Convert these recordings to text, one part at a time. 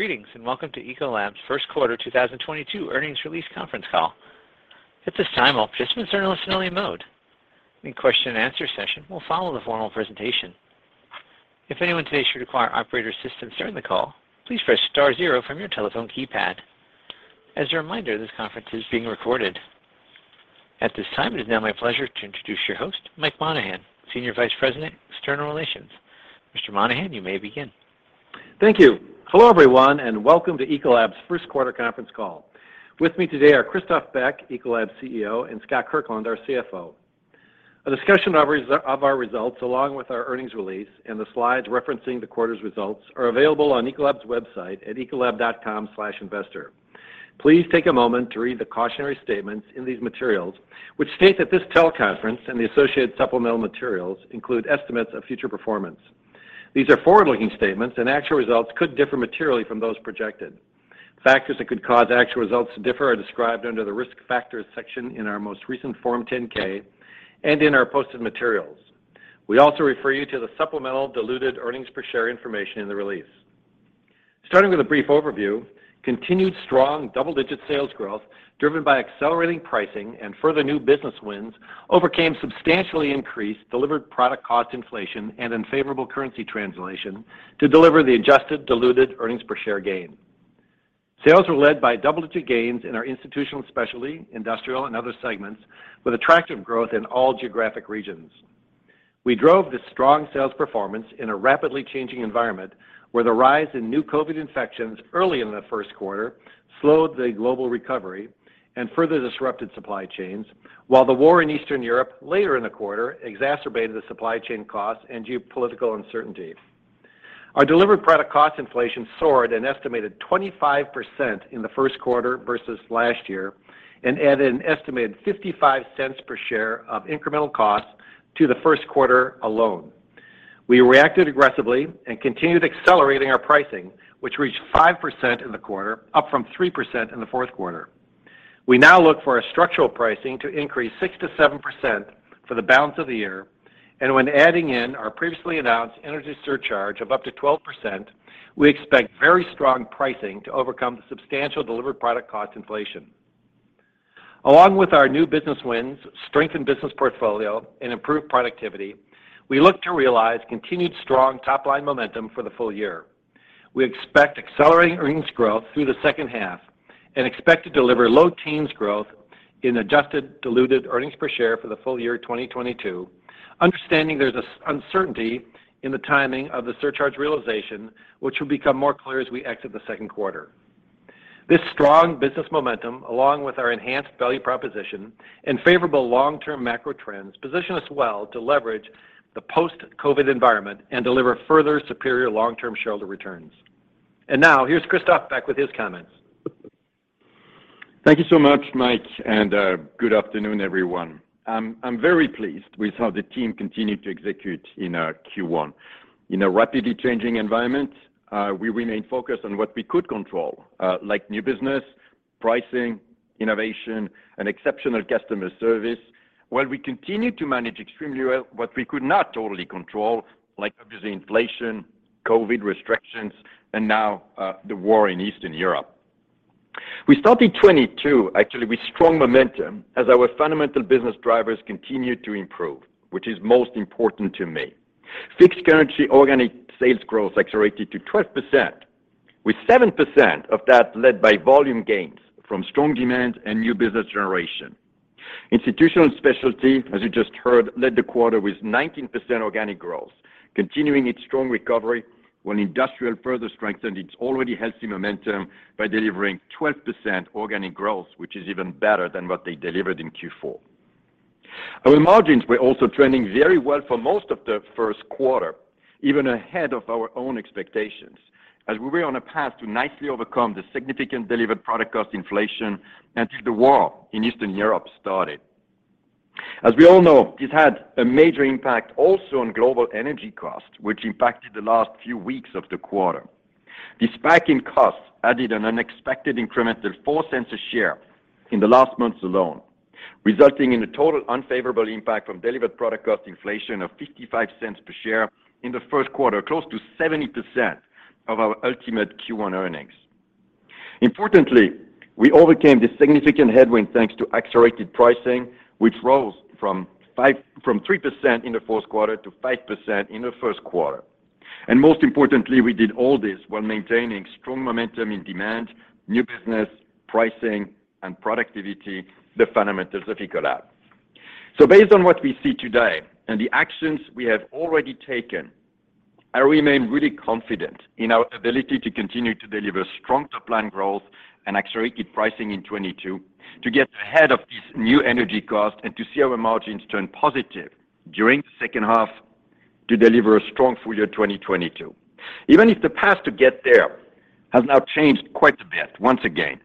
Greetings, and welcome to Ecolab's first quarter 2022 earnings release conference call. At this time, all participants are in listen-only mode. A question-and-answer session will follow the formal presentation. If anyone today should require operator assistance during the call, please press star zero from your telephone keypad. As a reminder, this conference is being recorded. At this time, it is now my pleasure to introduce your host, Mike Monahan, Senior Vice President, External Relations. Mr. Monahan, you may begin. Thank you. Hello, everyone, and welcome to Ecolab's first quarter conference call. With me today are Christophe Beck, Ecolab's CEO, and Scott Kirkland, our CFO. A discussion of our results along with our earnings release and the slides referencing the quarter's results are available on Ecolab's website at ecolab.com/investor. Please take a moment to read the cautionary statements in these materials, which state that this teleconference and the associated supplemental materials include estimates of future performance. These are forward-looking statements, and actual results could differ materially from those projected. Factors that could cause actual results to differ are described under the Risk Factors section in our most recent Form 10-K and in our posted materials. We also refer you to the supplemental diluted earnings per share information in the release. Starting with a brief overview, continued strong double-digit sales growth, driven by accelerating pricing and further new business wins, overcame substantially increased delivered product cost inflation and unfavorable currency translation to deliver the adjusted diluted earnings per share gain. Sales were led by double-digit gains in our Institutional & Specialty, Industrial, and Other segments with attractive growth in all geographic regions. We drove this strong sales performance in a rapidly changing environment where the rise in new COVID infections early in the first quarter slowed the global recovery and further disrupted supply chains, while the war in Eastern Europe later in the quarter exacerbated the supply chain costs and geopolitical uncertainty. Our delivered product cost inflation soared an estimated 25% in the first quarter versus last year and added an estimated $0.55 per share of incremental costs to the first quarter alone. We reacted aggressively and continued accelerating our pricing, which reached 5% in the quarter, up from 3% in the fourth quarter. We now look for a structural pricing to increase 6%-7% for the balance of the year. When adding in our previously announced energy surcharge of up to 12%, we expect very strong pricing to overcome the substantial delivered product cost inflation. Along with our new business wins, strengthened business portfolio, and improved productivity, we look to realize continued strong top-line momentum for the full year. We expect accelerating earnings growth through the second half and expect to deliver low teens growth in adjusted diluted earnings per share for the full year 2022, understanding there's this uncertainty in the timing of the surcharge realization, which will become more clear as we exit the second quarter. This strong business momentum, along with our enhanced value proposition and favorable long-term macro trends, position us well to leverage the post-COVID environment and deliver further superior long-term shareholder returns. Now, here's Christophe Beck with his comments. Thank you so much, Mike, and good afternoon, everyone. I'm very pleased with how the team continued to execute in Q1. In a rapidly changing environment, we remained focused on what we could control, like new business, pricing, innovation, and exceptional customer service, while we continued to manage extremely well what we could not totally control, like obviously inflation, COVID restrictions, and now, the war in Eastern Europe. We started 2022 actually with strong momentum as our fundamental business drivers continued to improve, which is most important to me. Fixed currency organic sales growth accelerated to 12%, with 7% of that led by volume gains from strong demand and new business generation. Institutional & Specialty, as you just heard, led the quarter with 19% organic growth, continuing its strong recovery when Industrial further strengthened its already healthy momentum by delivering 12% organic growth, which is even better than what they delivered in Q4. Our margins were also trending very well for most of the first quarter, even ahead of our own expectations, as we were on a path to nicely overcome the significant Delivered Product Cost inflation until the war in Eastern Europe started. As we all know, this had a major impact also on global energy costs, which impacted the last few weeks of the quarter. The spike in costs added an unexpected incremental $0.04 per share in the last months alone, resulting in a total unfavorable impact from Delivered Product Cost inflation of $0.55 per share in the first quarter, close to 70% of our ultimate Q1 earnings. Importantly, we overcame this significant headwind thanks to accelerated pricing, which rose from 3% in the fourth quarter to 5% in the first quarter. Most importantly, we did all this while maintaining strong momentum in demand, new business, pricing, and productivity, the fundamentals of Ecolab. Based on what we see today and the actions we have already taken, I remain really confident in our ability to continue to deliver strong top-line growth and accelerated pricing in 2022 to get ahead of these new energy costs and to see our margins turn positive during the second half to deliver a strong full year 2022, even if the path to get there has now changed quite a bit once again.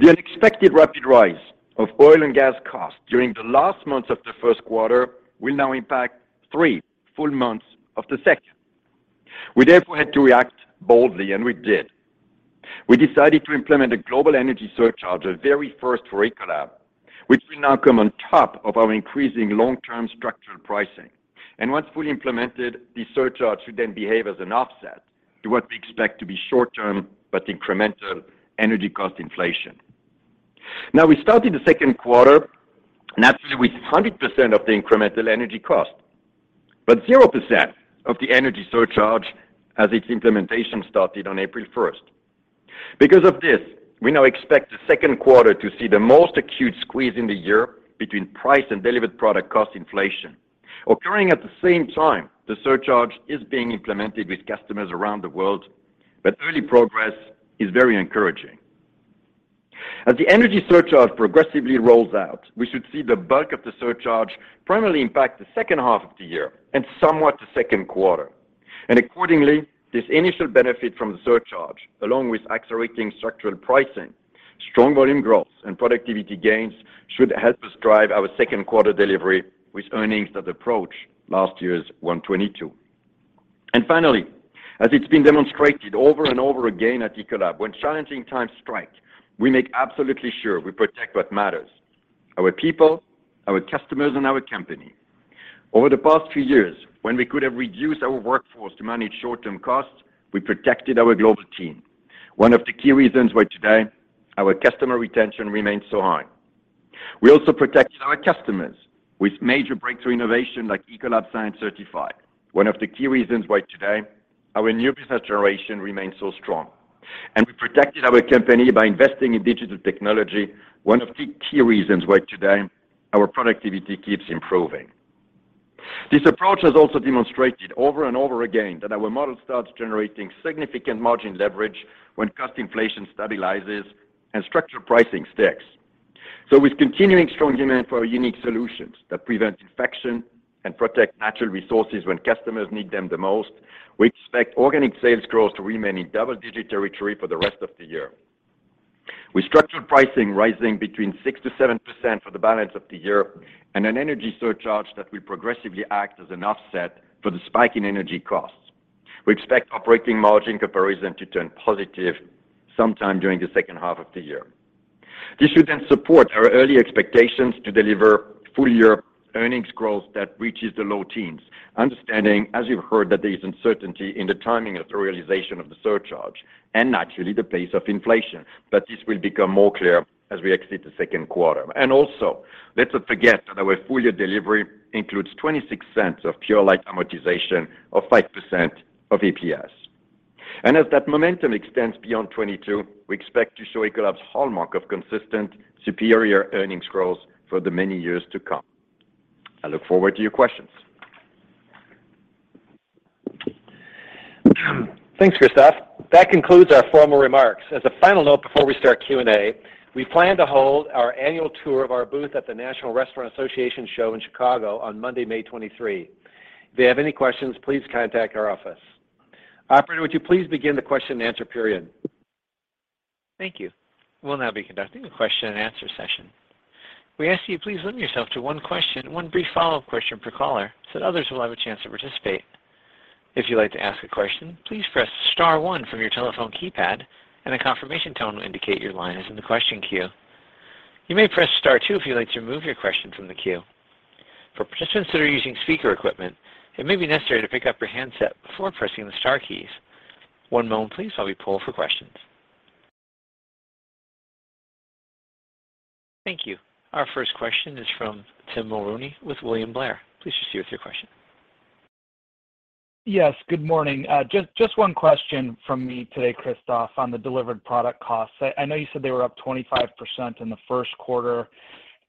The unexpected rapid rise of oil and gas costs during the last months of the first quarter will now impact three full months of the second quarter. We therefore had to react boldly, and we did. We decided to implement a global energy surcharge, the very first for Ecolab, which will now come on top of our increasing long-term structural pricing. Once fully implemented, the surcharge should then behave as an offset to what we expect to be short term but incremental energy cost inflation. Now, we started the second quarter naturally with 100% of the incremental energy cost, but 0% of the energy surcharge as its implementation started on April 1st. Because of this, we now expect the second quarter to see the most acute squeeze in the year between price and delivered product cost inflation. Occurring at the same time, the surcharge is being implemented with customers around the world, but early progress is very encouraging. As the energy surcharge progressively rolls out, we should see the bulk of the surcharge primarily impact the second half of the year and somewhat the second quarter. Accordingly, this initial benefit from the surcharge, along with accelerating structural pricing, strong volume growth, and productivity gains should help us drive our second quarter delivery with earnings that approach last year's $1.22. Finally, as it's been demonstrated over and over again at Ecolab, when challenging times strike, we make absolutely sure we protect what matters, our people, our customers, and our company. Over the past few years, when we could have reduced our workforce to manage short-term costs, we protected our global team. One of the key reasons why today our customer retention remains so high. We also protected our customers with major breakthrough innovation like Ecolab Science Certified. One of the key reasons why today our new business generation remains so strong. We protected our company by investing in digital technology. One of the key reasons why today our productivity keeps improving. This approach has also demonstrated over and over again that our model starts generating significant margin leverage when cost inflation stabilizes and structural pricing sticks. With continuing strong demand for our unique solutions that prevent infection and protect natural resources when customers need them the most, we expect organic sales growth to remain in double-digit territory for the rest of the year. With structural pricing rising between 6%-7% for the balance of the year and an energy surcharge that will progressively act as an offset for the spike in energy costs, we expect operating margin comparison to turn positive sometime during the second half of the year. This should then support our early expectations to deliver full-year earnings growth that reaches the low teens. Understanding, as you've heard, that there is uncertainty in the timing of the realization of the surcharge and naturally the pace of inflation. This will become more clear as we exit the second quarter. Let's not forget that our full-year delivery includes $0.26 of Purolite amortization of 5% of EPS. As that momentum extends beyond 2022, we expect to show Ecolab's hallmark of consistent superior earnings growth for the many years to come. I look forward to your questions. Thanks, Christophe. That concludes our formal remarks. As a final note before we start Q&A, we plan to hold our annual tour of our booth at the National Restaurant Association show in Chicago on Monday, May 23. If you have any questions, please contact our office. Operator, would you please begin the question and answer period? Thank you. We'll now be conducting a question and answer session. We ask you please limit yourself to one question and one brief follow-up question per caller so that others will have a chance to participate. If you'd like to ask a question, please press star one from your telephone keypad, and a confirmation tone will indicate your line is in the question queue. You may press star two if you'd like to remove your question from the queue. For participants that are using speaker equipment, it may be necessary to pick up your handset before pressing the star keys. One moment, please, while we poll for questions. Thank you. Our first question is from Tim Mulrooney with William Blair. Please proceed with your question. Yes, good morning. Just one question from me today, Christophe, on the delivered product costs. I know you said they were up 25% in the first quarter.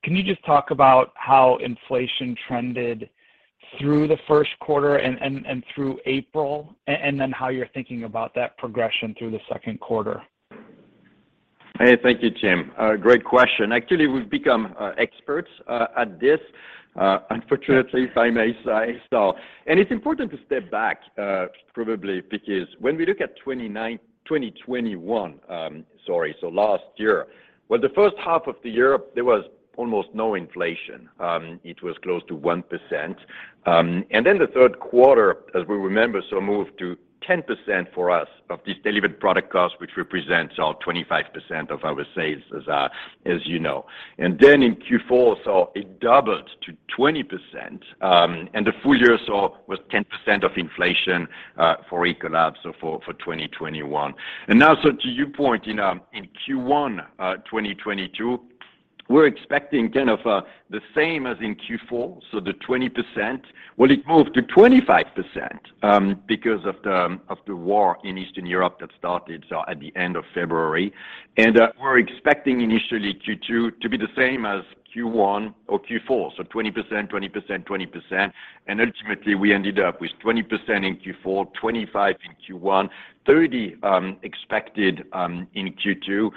Can you just talk about how inflation trended through the first quarter and through April, and then how you're thinking about that progression through the second quarter? Thank you, Tim. A great question. Actually, we've become experts at this, unfortunately, if I may say so. It's important to step back, probably because when we look at 2021, sorry. Last year. Well, the first half of the year, there was almost no inflation. It was close to 1%. Then the third quarter, as we remember, saw a move to 10% for us of these delivered product costs, which represents 25% of our sales as you know. Then in Q4, so it doubled to 20%. The full year, so was 10% of inflation for Ecolab, so for 2021. To your point in Q1 2022, we're expecting kind of the same as in Q4, the 20%. It moved to 25% because of the war in Eastern Europe that started at the end of February. We're expecting initially Q2 to be the same as Q1 or Q4, 20%. Ultimately, we ended up with 20% in Q4, 25% in Q1, 30% expected in Q2.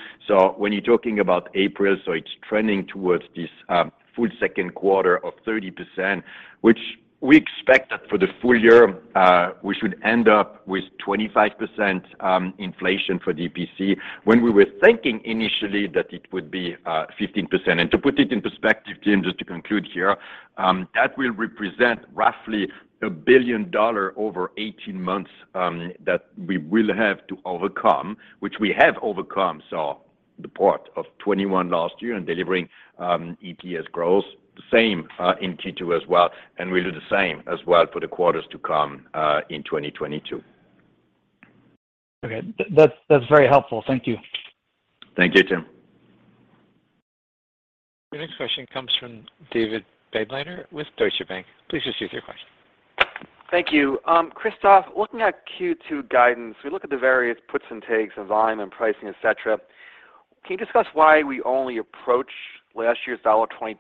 When you're talking about April, it's trending towards this full second quarter of 30%, which we expect for the full year we should end up with 25% inflation for DPC, when we were thinking initially that it would be 15%. To put it in perspective, Tim, just to conclude here, that will represent roughly $1 billion over 18 months that we will have to overcome, which we have overcome so far through the part of 2021 last year and delivering EPS growth. The same in Q2 as well, and we'll do the same as well for the quarters to come in 2022. Okay. That's very helpful. Thank you. Thank you, Tim. Your next question comes from David Begleiter with Deutsche Bank. Please proceed with your question. Thank you. Christophe, looking at Q2 guidance, we look at the various puts and takes of volume and pricing, et cetera. Can you discuss why we only approached last year's $22?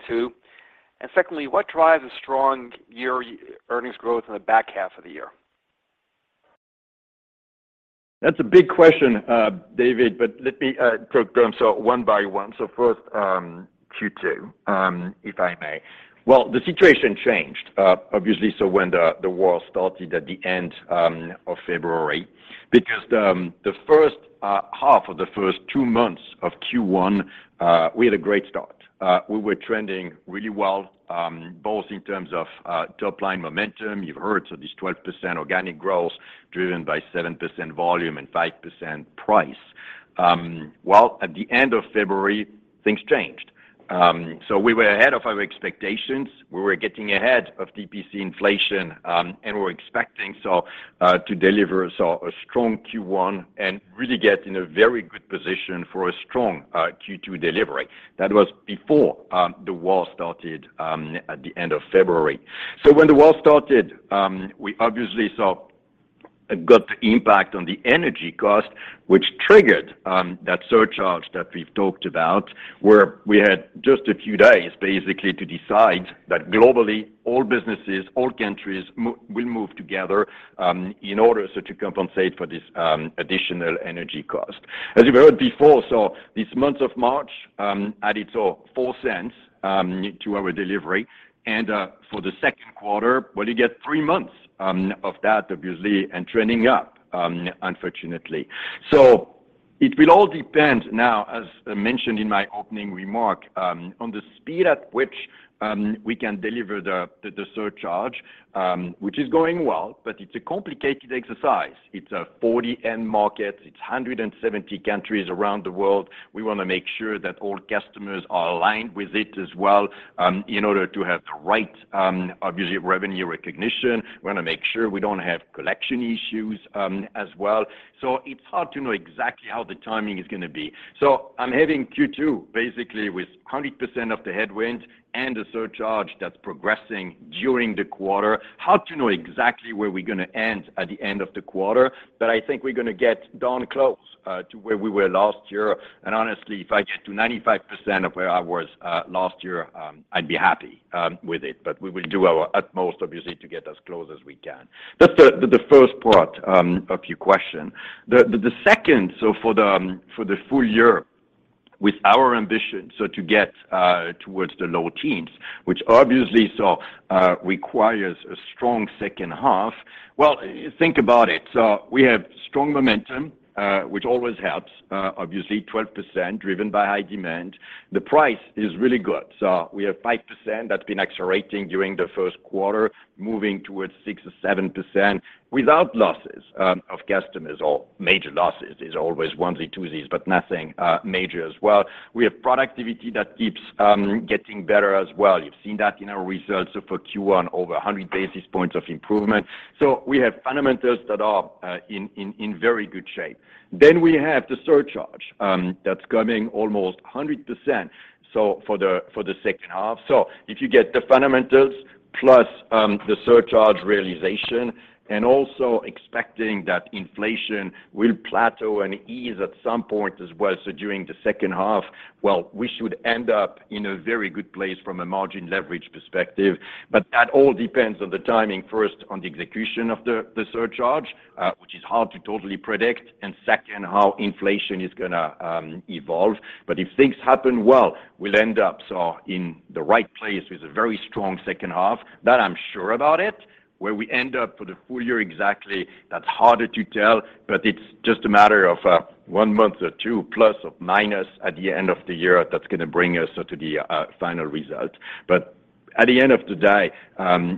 And secondly, what drives a strong year-over-year earnings growth in the back half of the year? That's a big question, David, but let me go through them one by one. First, Q2, if I may. The situation changed, obviously, when the war started at the end of February. Because the first half or the first two months of Q1, we had a great start. We were trending really well both in terms of top line momentum. You've heard this 12% organic growth driven by 7% volume and 5% price. At the end of February, things changed. We were ahead of our expectations. We were getting ahead of DPC inflation, and we're expecting to deliver a strong Q1 and really get in a very good position for a strong Q2 delivery. That was before the war started at the end of February. When the war started, we obviously saw a good impact on the energy cost, which triggered that surcharge that we've talked about, where we had just a few days, basically, to decide that globally, all businesses, all countries will move together in order to compensate for this additional energy cost. As you've heard before, this month of March added $0.04 to our delivery. For the second quarter, well, you get three months of that, obviously, and trending up, unfortunately. It will all depend now, as I mentioned in my opening remark, on the speed at which we can deliver the surcharge, which is going well, but it's a complicated exercise. It's 40 end markets. It's 170 countries around the world. We wanna make sure that all customers are aligned with it as well, in order to have the right, obviously, revenue recognition. We wanna make sure we don't have collection issues, as well. It's hard to know exactly how the timing is gonna be. I'm having Q2 basically with 100% of the headwinds and a surcharge that's progressing during the quarter. Hard to know exactly where we're gonna end at the end of the quarter. I think we're gonna get darn close to where we were last year. Honestly, if I get to 95% of where I was last year, I'd be happy with it. We will do our utmost, obviously, to get as close as we can. That's the first part of your question. The second for the full year, with our ambition to get towards the low teens, which obviously requires a strong second half. Well, think about it. We have strong momentum, which always helps, obviously 12% driven by high demand. The price is really good. We have 5% that's been accelerating during the first quarter, moving towards 6% or 7% without losses of customers or major losses. There's always onesie, twosies, but nothing major as well. We have productivity that keeps getting better as well. You've seen that in our results for Q1, over 100 basis points of improvement. We have fundamentals that are in very good shape. Then we have the surcharge that's coming almost 100%, so for the second half. If you get the fundamentals plus the surcharge realization and also expecting that inflation will plateau and ease at some point as well, during the second half, we should end up in a very good place from a margin leverage perspective. That all depends on the timing, first, on the execution of the surcharge, which is hard to totally predict, and second, how inflation is gonna evolve. If things happen well, we'll end up in the right place with a very strong second half. That, I'm sure about it. Where we end up for the full year exactly, that's harder to tell, but it's just a matter of one month or two, plus or minus at the end of the year that's gonna bring us to the final result. At the end of the day,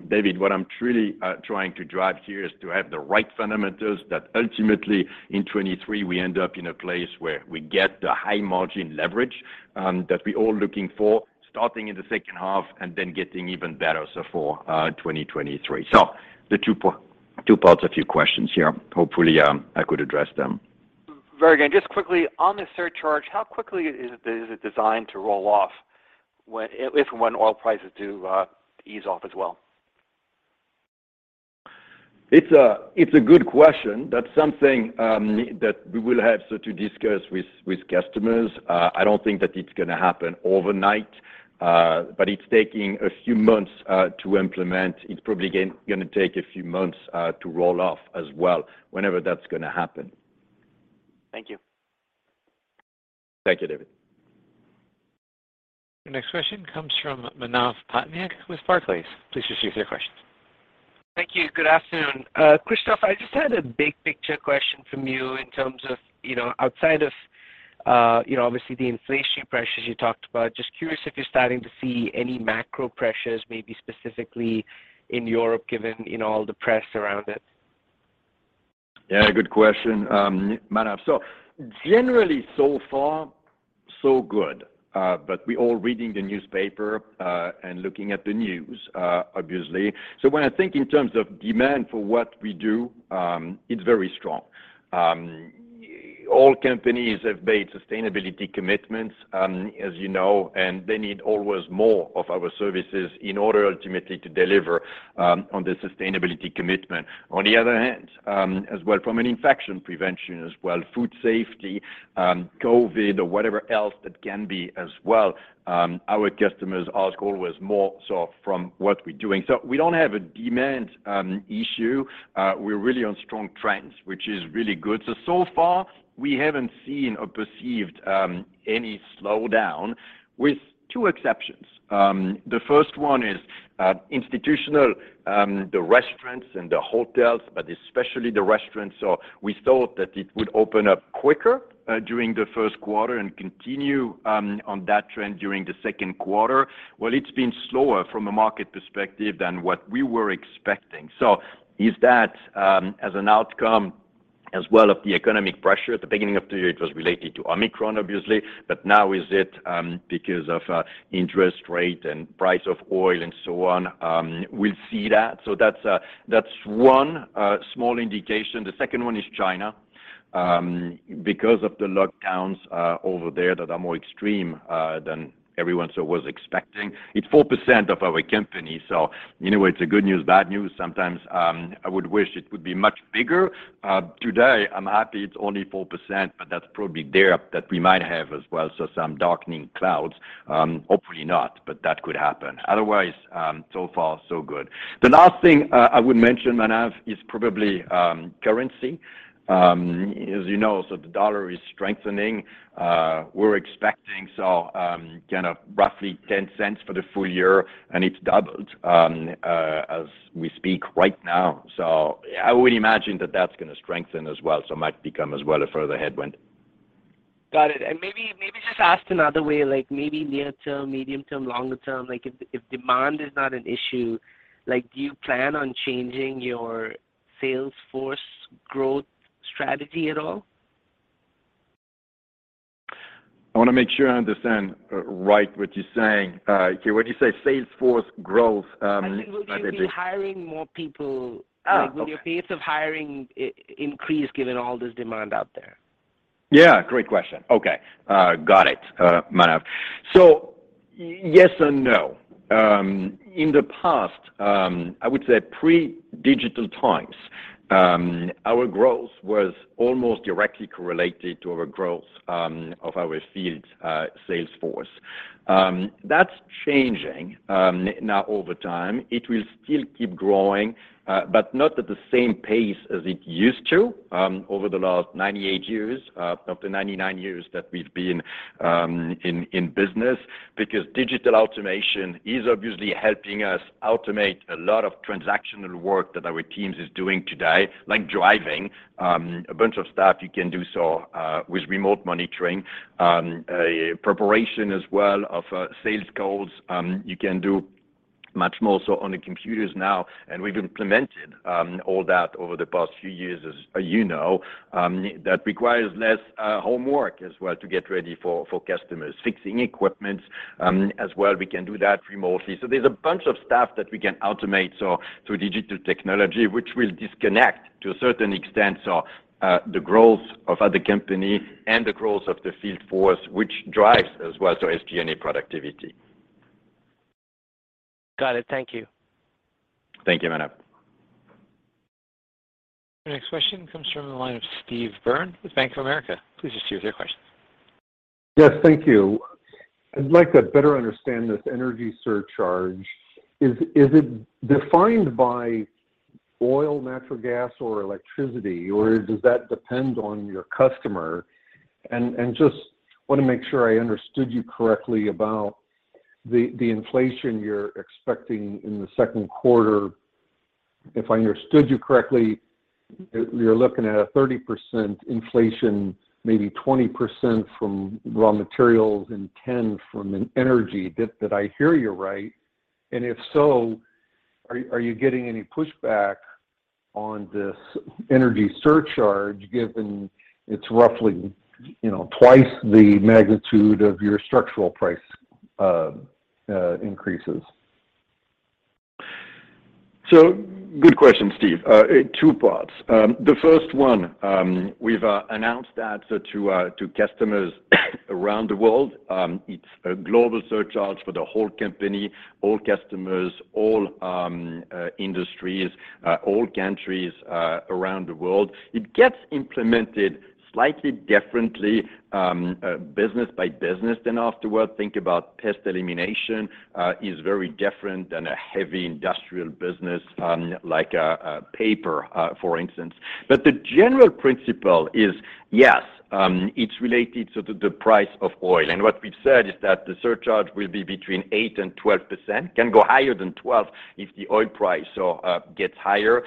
David, what I'm truly trying to drive here is to have the right fundamentals that ultimately in 2023, we end up in a place where we get the high margin leverage that we're all looking for, starting in the second half and then getting even better, so for 2023. The two parts of your questions here. Hopefully, I could address them. Very again, just quickly, on the surcharge, how quickly is it designed to roll off when, if and when oil prices do ease off as well? It's a good question. That's something that we will have to discuss with customers. I don't think that it's gonna happen overnight, but it's taking a few months to implement. It's probably gonna take a few months to roll off as well, whenever that's gonna happen. Thank you. Thank you, David. Your next question comes from Manav Patnaik with Barclays. Please proceed with your questions. Thank you. Good afternoon. Christophe, I just had a big picture question from you in terms of, you know, outside of, you know, obviously the inflation pressures you talked about. Just curious if you're starting to see any macro pressures, maybe specifically in Europe, given, you know, all the press around it? Yeah, good question, Manav. Generally, so far so good. We're all reading the newspaper and looking at the news, obviously. When I think in terms of demand for what we do, it's very strong. All companies have made sustainability commitments, as you know, and they need always more of our services in order ultimately to deliver on the sustainability commitment. On the other hand, as well from an infection prevention as well, food safety, COVID or whatever else that can be as well, our customers ask always more so from what we're doing. We don't have a demand issue. We're really on strong trends, which is really good. We haven't seen or perceived any slowdown with two exceptions. The first one is Institutional, the restaurants and the hotels, but especially the restaurants. We thought that it would open up quicker during the first quarter and continue on that trend during the second quarter. Well, it's been slower from a market perspective than what we were expecting. Is that as an outcome as well of the economic pressure? At the beginning of the year, it was related to Omicron, obviously, but now is it because of interest rate and price of oil and so on? We'll see that. That's one small indication. The second one is China because of the lockdowns over there that are more extreme than everyone sort of was expecting. It's 4% of our company. In a way it's a good news, bad news. Sometimes, I would wish it would be much bigger. Today, I'm happy it's only 4%, but that's probably there that we might have as well, so some darkening clouds, hopefully not, but that could happen. Otherwise, so far so good. The last thing I would mention, Manav, is probably currency. As you know, so the dollar is strengthening. We're expecting, so, kind of roughly $0.10 for the full year, and it's doubled, as we speak right now. I would imagine that that's gonna strengthen as well, so might become as well a further headwind. Got it. Maybe just asked another way, like maybe near term, medium term, longer term, like if demand is not an issue, like do you plan on changing your sales force growth strategy at all? I wanna make sure I understand right what you're saying. Okay, when you say sales force growth, I said will you be hiring more people? Oh, okay. Like, will your pace of hiring increase given all this demand out there? Yeah, great question. Okay. Got it, Manav. So yes and no. In the past, I would say pre-digital times, our growth was almost directly correlated to our growth of our field sales force. That's changing now over time. It will still keep growing, but not at the same pace as it used to, over the last 98 years, up to 99 years that we've been in business. Because digital automation is obviously helping us automate a lot of transactional work that our teams is doing today, like driving a bunch of stuff you can do so with remote monitoring. Preparation as well of sales calls, you can do much more so on the computers now. We've implemented all that over the past few years as you know. That requires less homework as well to get ready for customers. Fixing equipment, as well, we can do that remotely. There's a bunch of stuff that we can automate so through digital technology, which will disconnect to a certain extent so the growth of the company and the growth of the field force which drives as well so SG&A productivity. Got it. Thank you. Thank you, Manav. The next question comes from the line of Steve Byrne with Bank of America. Please just cue with your question. Yes, thank you. I'd like to better understand this energy surcharge. Is it defined by oil, natural gas or electricity, or does that depend on your customer? Just wanna make sure I understood you correctly about the inflation you're expecting in the second quarter. If I understood you correctly, you're looking at 30% inflation, maybe 20% from raw materials and 10% from energy. Did I hear you right? If so, are you getting any pushback on this energy surcharge given it's roughly, you know, twice the magnitude of your structural price increases? Good question, Steve. Two parts. The first one, we've announced that to customers around the world. It's a global surcharge for the whole company, all customers, all industries, all countries around the world. It gets implemented slightly differently, business by business then afterward. Think about pest elimination is very different than a heavy industrial business, like a paper, for instance. The general principle is, yes, it's related so to the price of oil. What we've said is that the surcharge will be between 8%-12%, can go higher than 12% if the oil price gets higher.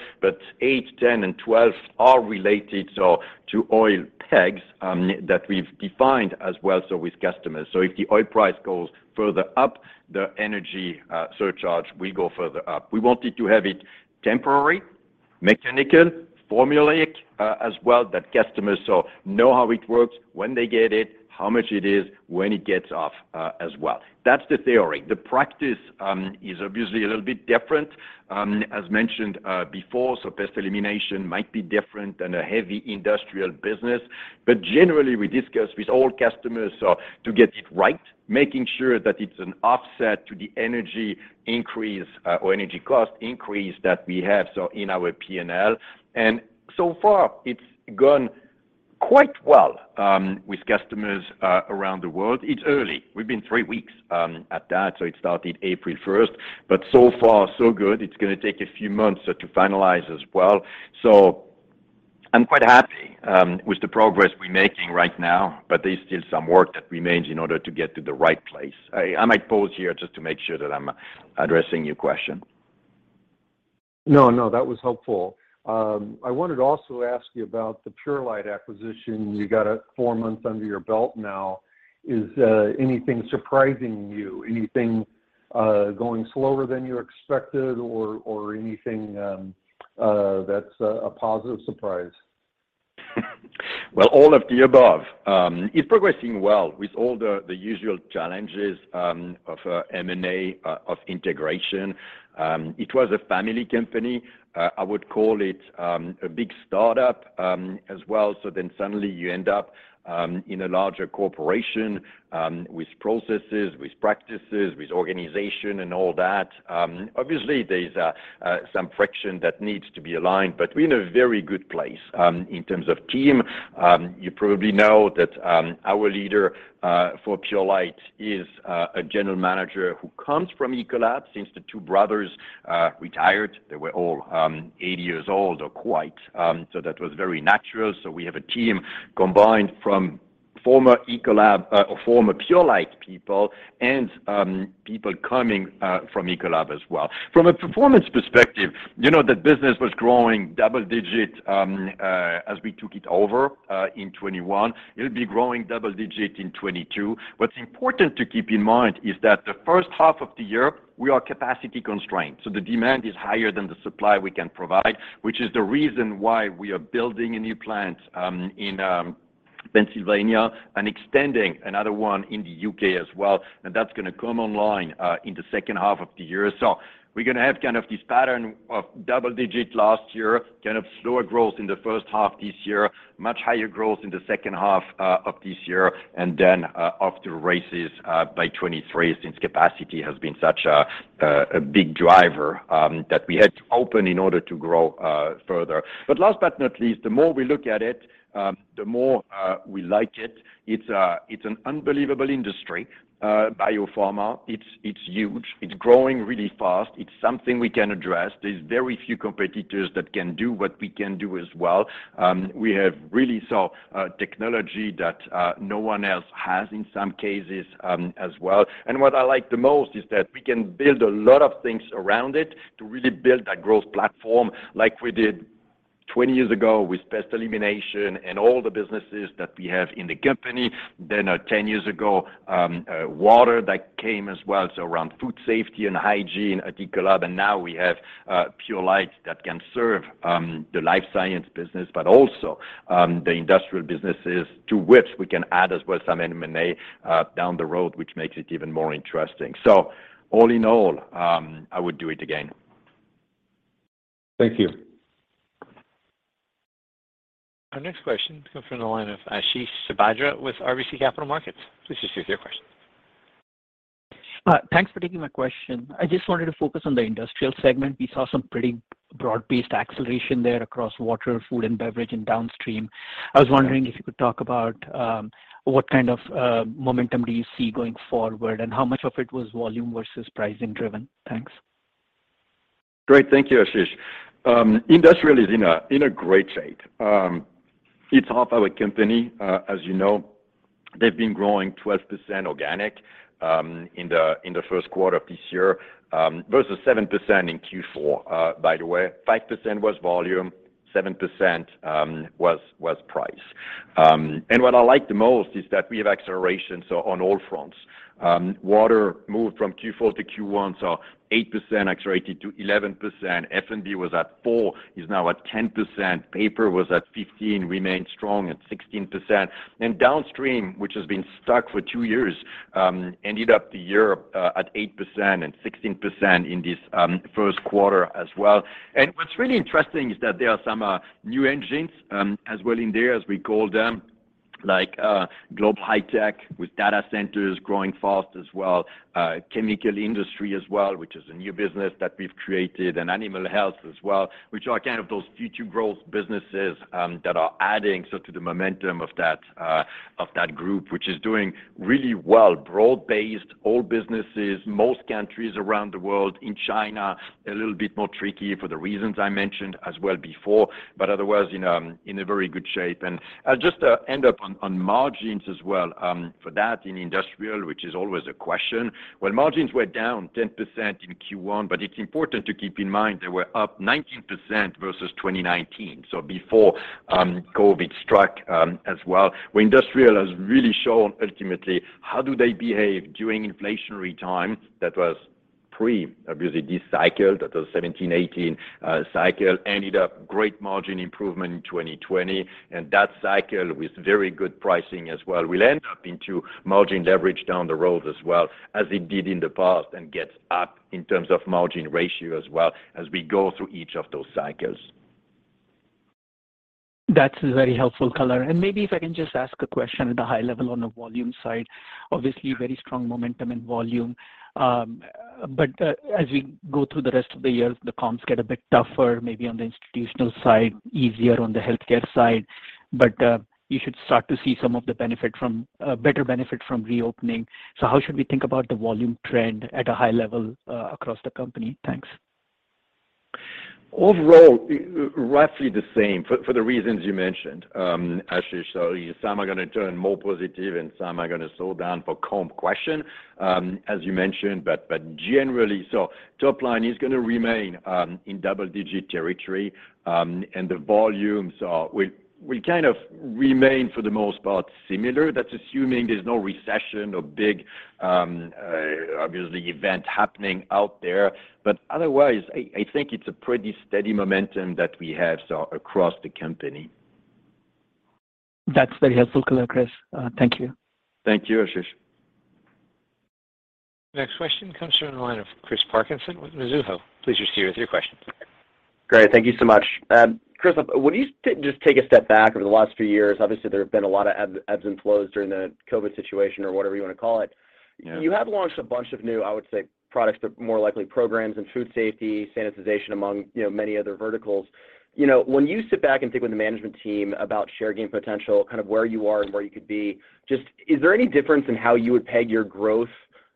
Eight, 10, and 12 are related, so to oil pegs that we've defined as well, so with customers. If the oil price goes further up, the energy surcharge will go further up. We wanted to have it temporary, mechanical, formulaic, as well, that customers know how it works, when they get it, how much it is, when it gets off, as well. That's the theory. The practice is obviously a little bit different. As mentioned before, Pest Elimination might be different than a heavy industrial business. Generally, we discuss with all customers to get it right, making sure that it's an offset to the energy increase or energy cost increase that we have in our P&L. So far, it's gone quite well with customers around the world. It's early. We've been three weeks at that, so it started April 1st. So far, so good. It's gonna take a few months so to finalize as well. I'm quite happy with the progress we're making right now, but there's still some work that remains in order to get to the right place. I might pause here just to make sure that I'm addressing your question. No, no, that was helpful. I wanted to also ask you about the Purolite acquisition. You got it four months under your belt now. Is anything surprising you? Anything going slower than you expected or anything that's a positive surprise? Well, all of the above. It's progressing well with all the usual challenges of M&A of integration. It was a family company. I would call it a big startup as well, so then suddenly you end up in a larger corporation with processes, with practices, with organization and all that. Obviously, there's some friction that needs to be aligned, but we're in a very good place. In terms of team, you probably know that our leader for Purolite is a general manager who comes from Ecolab since the two brothers retired. They were all 80 years old or quite, so that was very natural. We have a team combined from former Purolite people and people coming from Ecolab as well. From a performance perspective, you know, the business was growing double-digit as we took it over in 2021. It'll be growing double-digit in 2022. What's important to keep in mind is that the first half of the year, we are capacity constrained, so the demand is higher than the supply we can provide, which is the reason why we are building a new plant in Pennsylvania and extending another one in the U.K. as well. That's gonna come online in the second half of the year. We're gonna have kind of this pattern of double-digit last year, kind of slower growth in the first half this year, much higher growth in the second half of this year, and then off to the races by 2023 since capacity has been such a big driver that we had to open in order to grow further. Last but not least, the more we look at it, the more we like it. It's an unbelievable industry, biopharma. It's huge. It's growing really fast. It's something we can address. There's very few competitors that can do what we can do as well. We have really solid technology that no one else has in some cases, as well. What I like the most is that we can build a lot of things around it to really build that growth platform like we did 20 years ago with pest elimination and all the businesses that we have in the company then 10 years ago water that came as well, so around food safety and hygiene at Ecolab. Now we have Purolite that can serve the life science business, but also the industrial businesses to which we can add as well some M&A down the road, which makes it even more interesting. All in all, I would do it again. Thank you. Our next question comes from the line of Ashish Sabadra with RBC Capital Markets. Please proceed with your question. Thanks for taking my question. I just wanted to focus on the industrial segment. We saw some pretty broad-based acceleration there across water, food, and beverage and downstream. I was wondering if you could talk about what kind of momentum do you see going forward and how much of it was volume versus pricing driven? Thanks. Great. Thank you, Ashish. Industrial is in a great shape. It's half our company. As you know, they've been growing 12% organic in the first quarter of this year versus 7% in Q4, by the way. 5% was volume, 7% was price. What I like the most is that we have acceleration, so on all fronts. Water moved from Q4 to Q1, so 8% accelerated to 11%. F&B was at four, is now at 10%. Paper was at 15, remains strong at 16%. Downstream, which has been stuck for two years, ended up the year at 8% and 16% in this first quarter as well. What's really interesting is that there are some new engines as well in there as we call them, like Global High-Tech with data centers growing fast as well, chemical industry as well, which is a new business that we've created, and animal health as well, which are kind of those future growth businesses that are adding so to the momentum of that group, which is doing really well. Broad-based, all businesses, most countries around the world. In China, a little bit more tricky for the reasons I mentioned as well before. Otherwise, you know, in a very good shape. I'll just end up on margins as well for that in Industrial, which is always a question. Well, margins were down 10% in Q1, but it's important to keep in mind they were up 19% versus 2019, so before COVID struck, as well. Industrial has really shown ultimately how they behave during inflationary time. That was obviously this cycle, that was 2017-18 cycle ended up great margin improvement in 2020, and that cycle with very good pricing as well, will end up into margin leverage down the road as well as it did in the past, and gets up in terms of margin ratio as well as we go through each of those cycles. That's very helpful color. Maybe if I can just ask a question at a high level on the volume side. Obviously very strong momentum in volume. As we go through the rest of the year, the comps get a bit tougher, maybe on the institutional side, easier on the healthcare side. You should start to see some of the benefit from better benefit from reopening. How should we think about the volume trend at a high level across the company? Thanks. Overall, roughly the same for the reasons you mentioned, Ashish. Some are gonna turn more positive and some are gonna slow down for comps question, as you mentioned. Generally, top line is gonna remain in double-digit territory, and the volumes will kind of remain for the most part similar. That's assuming there's no recession or big, obviously, event happening out there. Otherwise, I think it's a pretty steady momentum that we have so across the company. That's very helpful color, Chris. Thank you. Thank you, Ashish. Next question comes from the line of Chris Parkinson with Mizuho. Please proceed with your question. Great. Thank you so much. Chris, when you just take a step back over the last few years, obviously there have been a lot of ebbs and flows during the COVID situation or whatever you wanna call it. Yeah. You have launched a bunch of new, I would say products, but more likely programs and food safety, sanitization among, you know, many other verticals. You know, when you sit back and think with the management team about share gain potential, kind of where you are and where you could be, just is there any difference in how you would peg your growth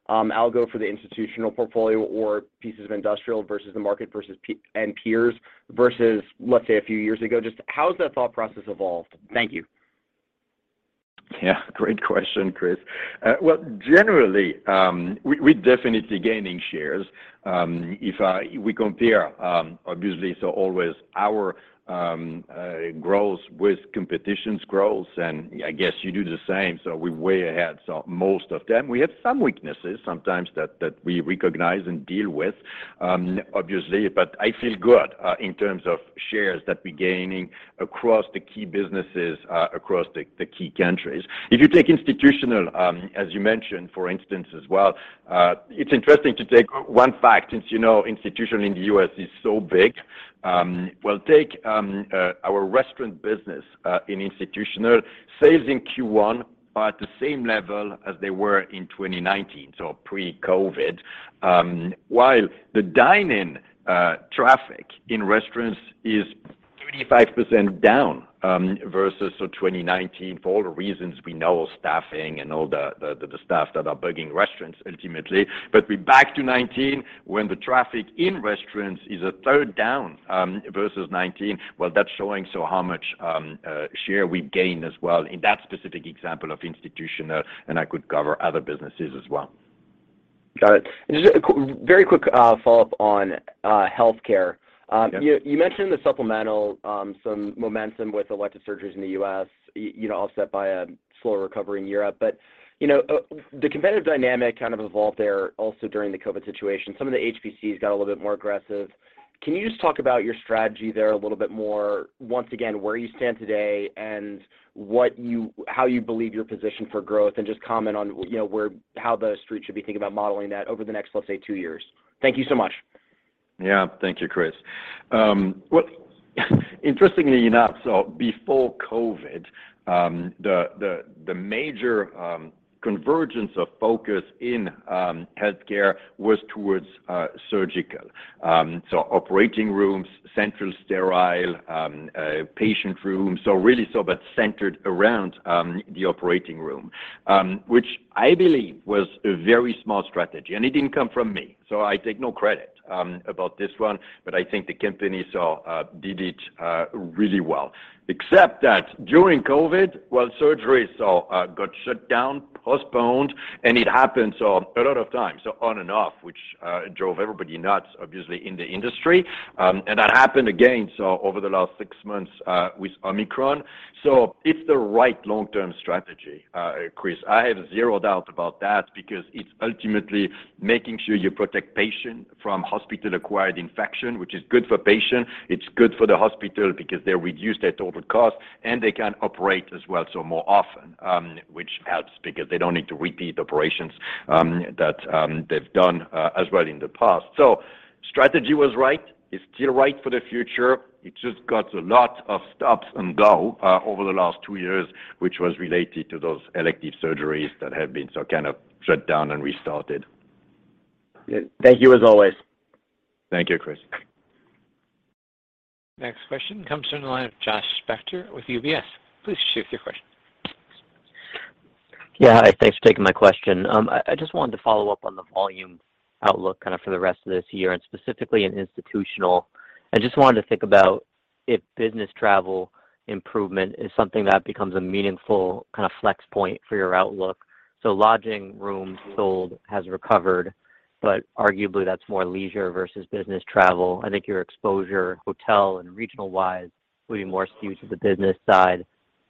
algo for the institutional portfolio or pieces of industrial versus the market versus peers versus, let's say a few years ago? Just how has that thought process evolved? Thank you. Great question, Chris. Well, generally, we're definitely gaining shares. We compare our growth with competition's growth, obviously, and I guess you do the same, so we're way ahead. Most of them. We have some weaknesses sometimes that we recognize and deal with, obviously. I feel good in terms of shares that we're gaining across the key businesses, across the key countries. If you take Institutional, as you mentioned, for instance as well, it's interesting to take one fact, since you know, Institutional in the U.S. is so big. We'll take our restaurant business in Institutional. Sales in Q1 are at the same level as they were in 2019, so pre-COVID. While the dine-in traffic in restaurants is 35% down versus 2019 for all the reasons we know, staffing and all the stuff that's bugging restaurants ultimately. We're back to 2019 when the traffic in restaurants is a third down versus 2019. That's showing how much share we gain as well in that specific example of Institutional, and I could cover other businesses as well. Got it. Just a very quick follow-up on healthcare. Yeah. You mentioned the supplemental some momentum with elective surgeries in the U.S., you know, offset by a slower recovery in Europe. You know, the competitive dynamic kind of evolved there also during the COVID situation. Some of the GPOs got a little bit more aggressive. Can you just talk about your strategy there a little bit more? Once again, where you stand today and what you, how you believe you're positioned for growth, and just comment on, you know, where, how the Street should be thinking about modeling that over the next, let's say, two years. Thank you so much. Yeah. Thank you, Chris. Well, interestingly enough, before COVID, the major convergence of focus in healthcare was towards surgical. Operating rooms, central sterile, patient rooms. Really that centered around the operating room, which I believe was a very small strategy, and it didn't come from me. I take no credit about this one, but I think the company did it really well. Except that during COVID, surgeries got shut down, postponed, and it happened a lot of times, on and off, which drove everybody nuts, obviously, in the industry. That happened again over the last six months with Omicron. It's the right long-term strategy, Chris. I have zero doubt about that because it's ultimately making sure you protect patient from hospital-acquired infection, which is good for patient. It's good for the hospital because they reduce their total cost, and they can operate as well, so more often, which helps because they don't need to repeat operations that they've done as well in the past. Strategy was right. It's still right for the future. It just got a lot of stops and go over the last two years, which was related to those elective surgeries that have been so kind of shut down and restarted. Yeah. Thank you as always. Thank you, Chris. Next question comes from the line of Josh Spector with UBS. Please proceed with your question. Yeah. Hi, thanks for taking my question. I just wanted to follow up on the volume outlook kind of for the rest of this year and specifically in Institutional. I just wanted to think about if business travel improvement is something that becomes a meaningful kind of flex point for your outlook. Lodging rooms sold has recovered, but arguably that's more leisure versus business travel. I think your exposure hotel and regional wise will be more skewed to the business side.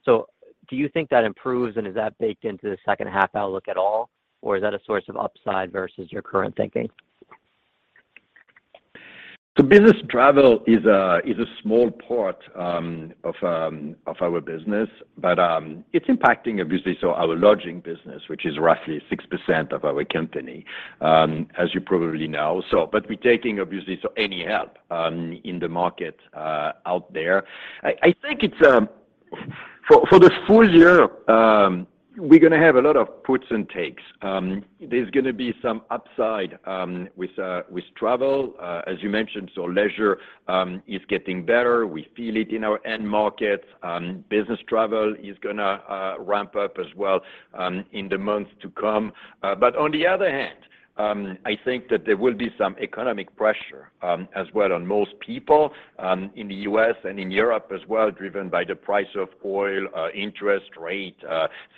Do you think that improves, and is that baked into the second half outlook at all, or is that a source of upside versus your current thinking? Business travel is a small part of our business, but it's impacting obviously so our lodging business, which is roughly 6% of our company, as you probably know. We're taking obviously so any help in the market out there. I think it's for the full year, we're gonna have a lot of puts and takes. There's gonna be some upside with travel, as you mentioned, so leisure is getting better. We feel it in our end markets. Business travel is gonna ramp up as well in the months to come. On the other hand, I think that there will be some economic pressure as well on most people in the U.S. and in Europe as well, driven by the price of oil, interest rate,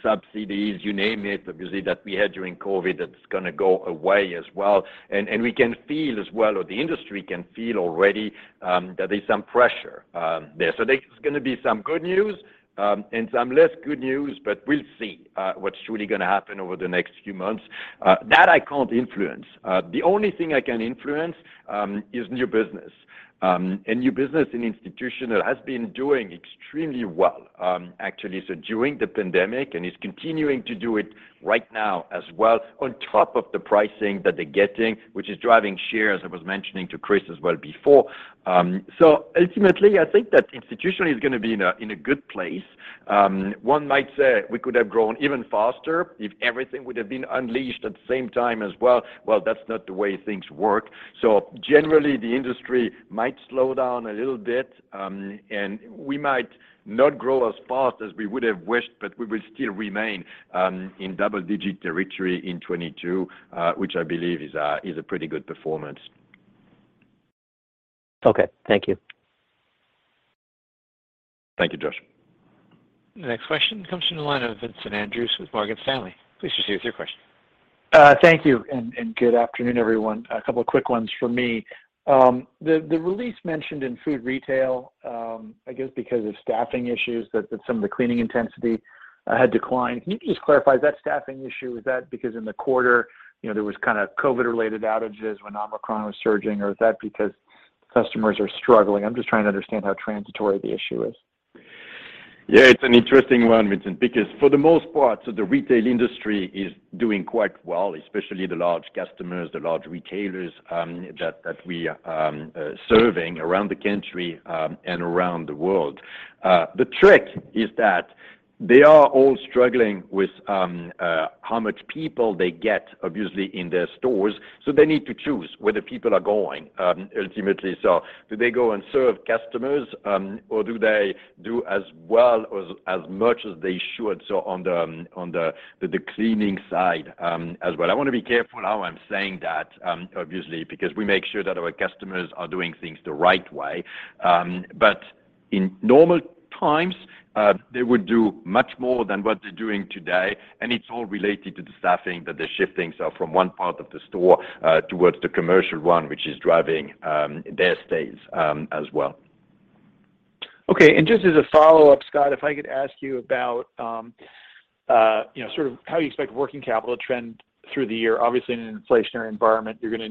subsidies, you name it, obviously, that we had during COVID that's gonna go away as well. We can feel as well, or the industry can feel already, that there's some pressure there. There's gonna be some good news and some less good news, but we'll see what's really gonna happen over the next few months. That I can't influence. The only thing I can influence is new business. New business and Institutional has been doing extremely well, actually, so during the pandemic, and is continuing to do it right now as well on top of the pricing that they're getting, which is driving shares, I was mentioning to Chris as well before. Ultimately, I think that Institutional is gonna be in a good place. One might say we could have grown even faster if everything would have been unleashed at the same time as well. Well, that's not the way things work. Generally, the industry might slow down a little bit, and we might not grow as fast as we would have wished, but we will still remain in double-digit territory in 2022, which I believe is a pretty good performance. Okay. Thank you. Thank you, Josh. The next question comes from the line of Vincent Andrews with Morgan Stanley. Please proceed with your question. Thank you and good afternoon, everyone. A couple of quick ones from me. The release mentioned in food retail, I guess because of staffing issues that some of the cleaning intensity had declined. Can you just clarify, is that staffing issue, is that because in the quarter, you know, there was kind of COVID-related outages when Omicron was surging, or is that because customers are struggling? I'm just trying to understand how transitory the issue is. Yeah, it's an interesting one, Vincent, because for the most part, the retail industry is doing quite well, especially the large customers, the large retailers, that we are serving around the country and around the world. The trick is that they are all struggling with how much people they get obviously in their stores. They need to choose where the people are going ultimately. Do they go and serve customers, or do they do as much as they should, so on the cleaning side as well? I wanna be careful how I'm saying that, obviously, because we make sure that our customers are doing things the right way. In normal times, they would do much more than what they're doing today, and it's all related to the staffing that they're shifting stuff from one part of the store towards the commercial one, which is driving their stays as well. Okay. Just as a follow-up, Scott, if I could ask you about, you know, sort of how you expect working capital to trend through the year. Obviously, in an inflationary environment, you're gonna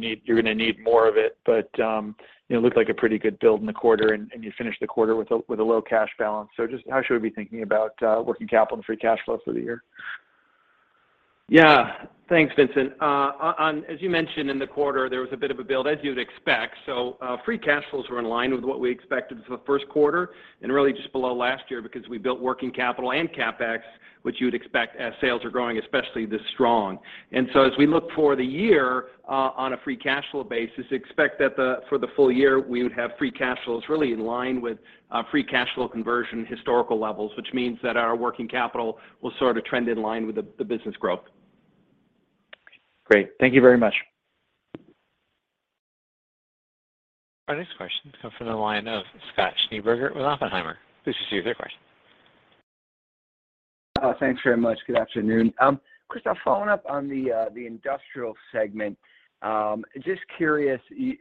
need more of it. But, you know, it looked like a pretty good build in the quarter and you finished the quarter with a low cash balance. So just how should we be thinking about working capital and free cash flow through the year? Yeah. Thanks, Vincent. On, as you mentioned in the quarter, there was a bit of a build as you'd expect. Free cash flows were in line with what we expected for the first quarter and really just below last year because we built working capital and CapEx, which you'd expect as sales are growing, especially this strong. As we look for the year, on a free cash flow basis, expect that for the full year, we would have free cash flows really in line with free cash flow conversion historical levels, which means that our working capital will sort of trend in line with the business growth. Great. Thank you very much. Our next question comes from the line of Scott Schneeberger with Oppenheimer. Please proceed with your question. Thanks very much. Good afternoon. Chris, a follow-up on the industrial segment. Just curious, in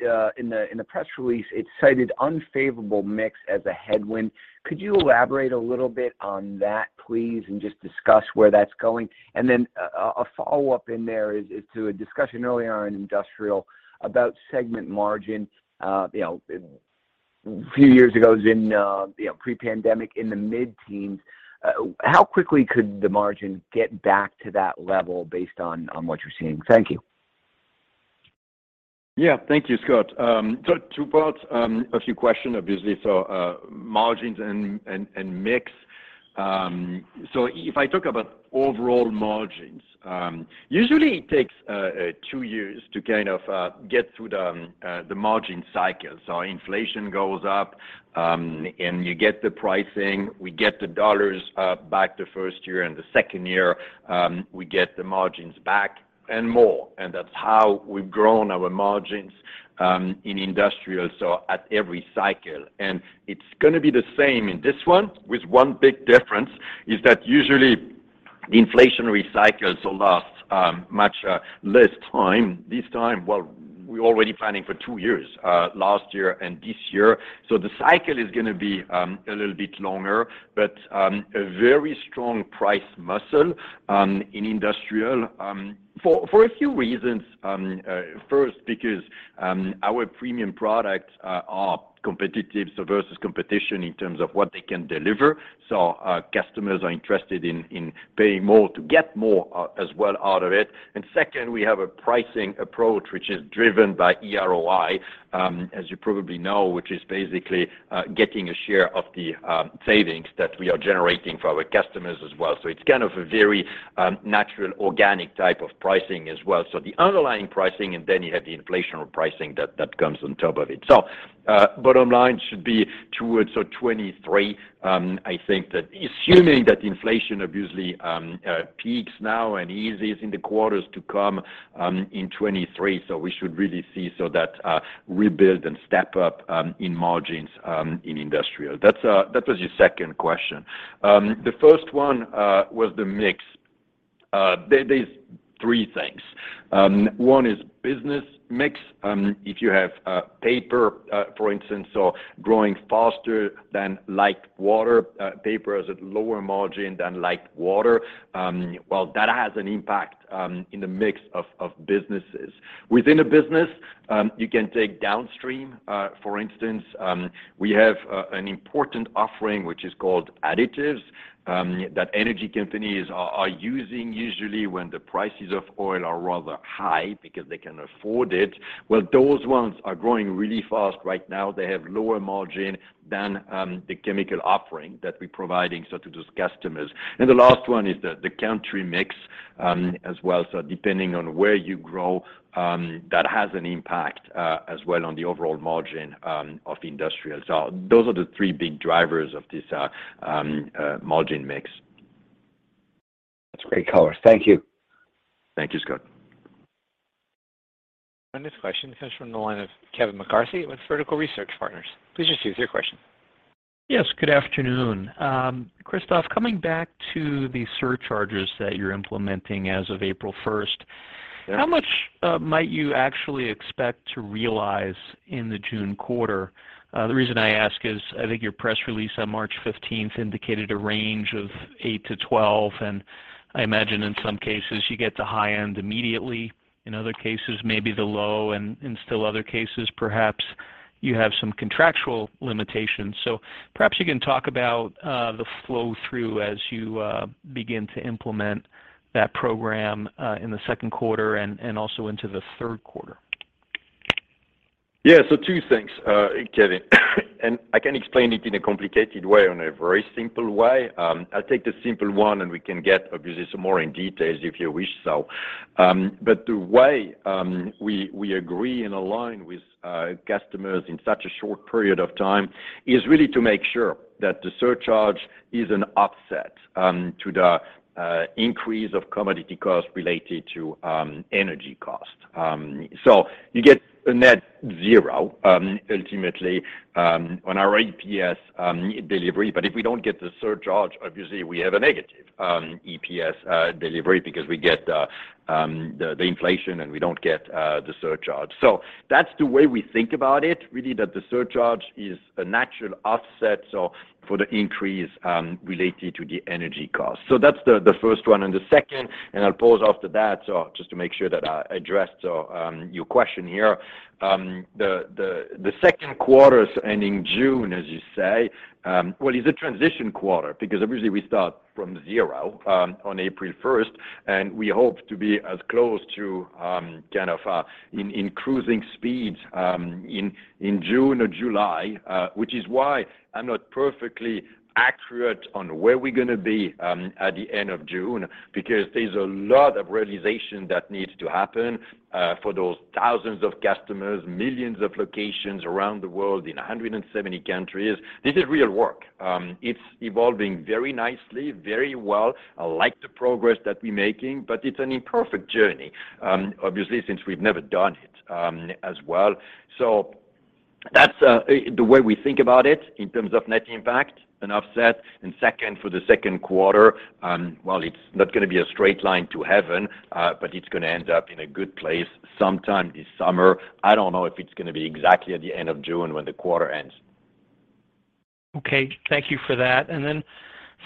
the press release, it cited unfavorable mix as a headwind. Could you elaborate a little bit on that, please, and just discuss where that's going? Then a follow-up in there is to a discussion earlier on in industrial about segment margin. You know, a few years ago it was in, you know, pre-pandemic in the mid-teens. How quickly could the margin get back to that level based on what you're seeing? Thank you. Yeah. Thank you, Scott. Two parts of your question, obviously. Margins and mix. If I talk about overall margins, usually it takes two years to kind of get through the margin cycle. Inflation goes up, and you get the pricing, we get the dollars back the first year, and the second year, we get the margins back and more. That's how we've grown our margins in industrial, so at every cycle. It's gonna be the same in this one, with one big difference, is that usually the inflationary cycle lasts much less time. This time, well, we're already planning for two years, last year and this year. The cycle is gonna be a little bit longer, but a very strong pricing muscle in industrial for a few reasons. First because our premium products are competitive versus competition in terms of what they can deliver. Our customers are interested in paying more to get more as well out of it. Second, we have a pricing approach, which is driven by eROI, as you probably know, which is basically getting a share of the savings that we are generating for our customers as well. It's kind of a very natural, organic type of pricing as well. The underlying pricing, and then you have the inflationary pricing that comes on top of it. Bottom line should be towards 2023. I think that assuming that inflation obviously peaks now and eases in the quarters to come in 2023. We should really see that rebuild and step up in margins in Industrial. That's your second question. The first one was the mix. There's three things. One is business mix. If you have paper for instance growing faster than Light Water, paper is at lower margin than Light Water, well, that has an impact in the mix of businesses. Within a business you can take downstream. For instance we have an important offering which is called additives that energy companies are using usually when the prices of oil are rather high because they can afford it. Well, those ones are growing really fast right now. They have lower margin than the chemical offering that we're providing so to those customers. The last one is the country mix as well. Depending on where you grow, that has an impact as well on the overall margin of industrial. Those are the three big drivers of this margin mix. That's great color. Thank you. Thank you, Scott. This question comes from the line of Kevin McCarthy with Vertical Research Partners. Please just use your question. Yes, good afternoon. Christophe, coming back to the surcharges that you're implementing as of April 1st. Yes. How much might you actually expect to realize in the June quarter? The reason I ask is, I think your press release on March 15th indicated a range of eight to 12, and I imagine in some cases you get the high end immediately, in other cases, maybe the low and still other cases perhaps you have some contractual limitations. Perhaps you can talk about the flow through as you begin to implement that program in the second quarter and also into the third quarter. Yeah. Two things, Kevin, and I can explain it in a complicated way or in a very simple way. I'll take the simple one, and we can get obviously some more into details if you wish so. The way we agree and align with customers in such a short period of time is really to make sure that the surcharge is an offset to the increase of commodity costs related to energy costs. You get a net zero ultimately on our EPS delivery. If we don't get the surcharge, obviously we have a negative EPS delivery because we get the inflation and we don't get the surcharge. That's the way we think about it, really that the surcharge is a natural offset for the increase related to the energy costs. That's the first one. The second, and I'll pause after that, just to make sure that I addressed your question here. The second quarter ending June, as you say, well, it's a transition quarter because obviously we start from zero on April 1st, and we hope to be as close to kind of in cruising speeds in June or July. Which is why I'm not perfectly accurate on where we're gonna be at the end of June because there's a lot of realization that needs to happen for those thousands of customers, millions of locations around the world in 170 countries. This is real work. It's evolving very nicely, very well. I like the progress that we're making, but it's an imperfect journey, obviously since we've never done it, as well. That's the way we think about it in terms of net impact and offset. Second, for the second quarter, while it's not gonna be a straight line to heaven, but it's gonna end up in a good place sometime this summer. I don't know if it's gonna be exactly at the end of June when the quarter ends. Okay. Thank you for that.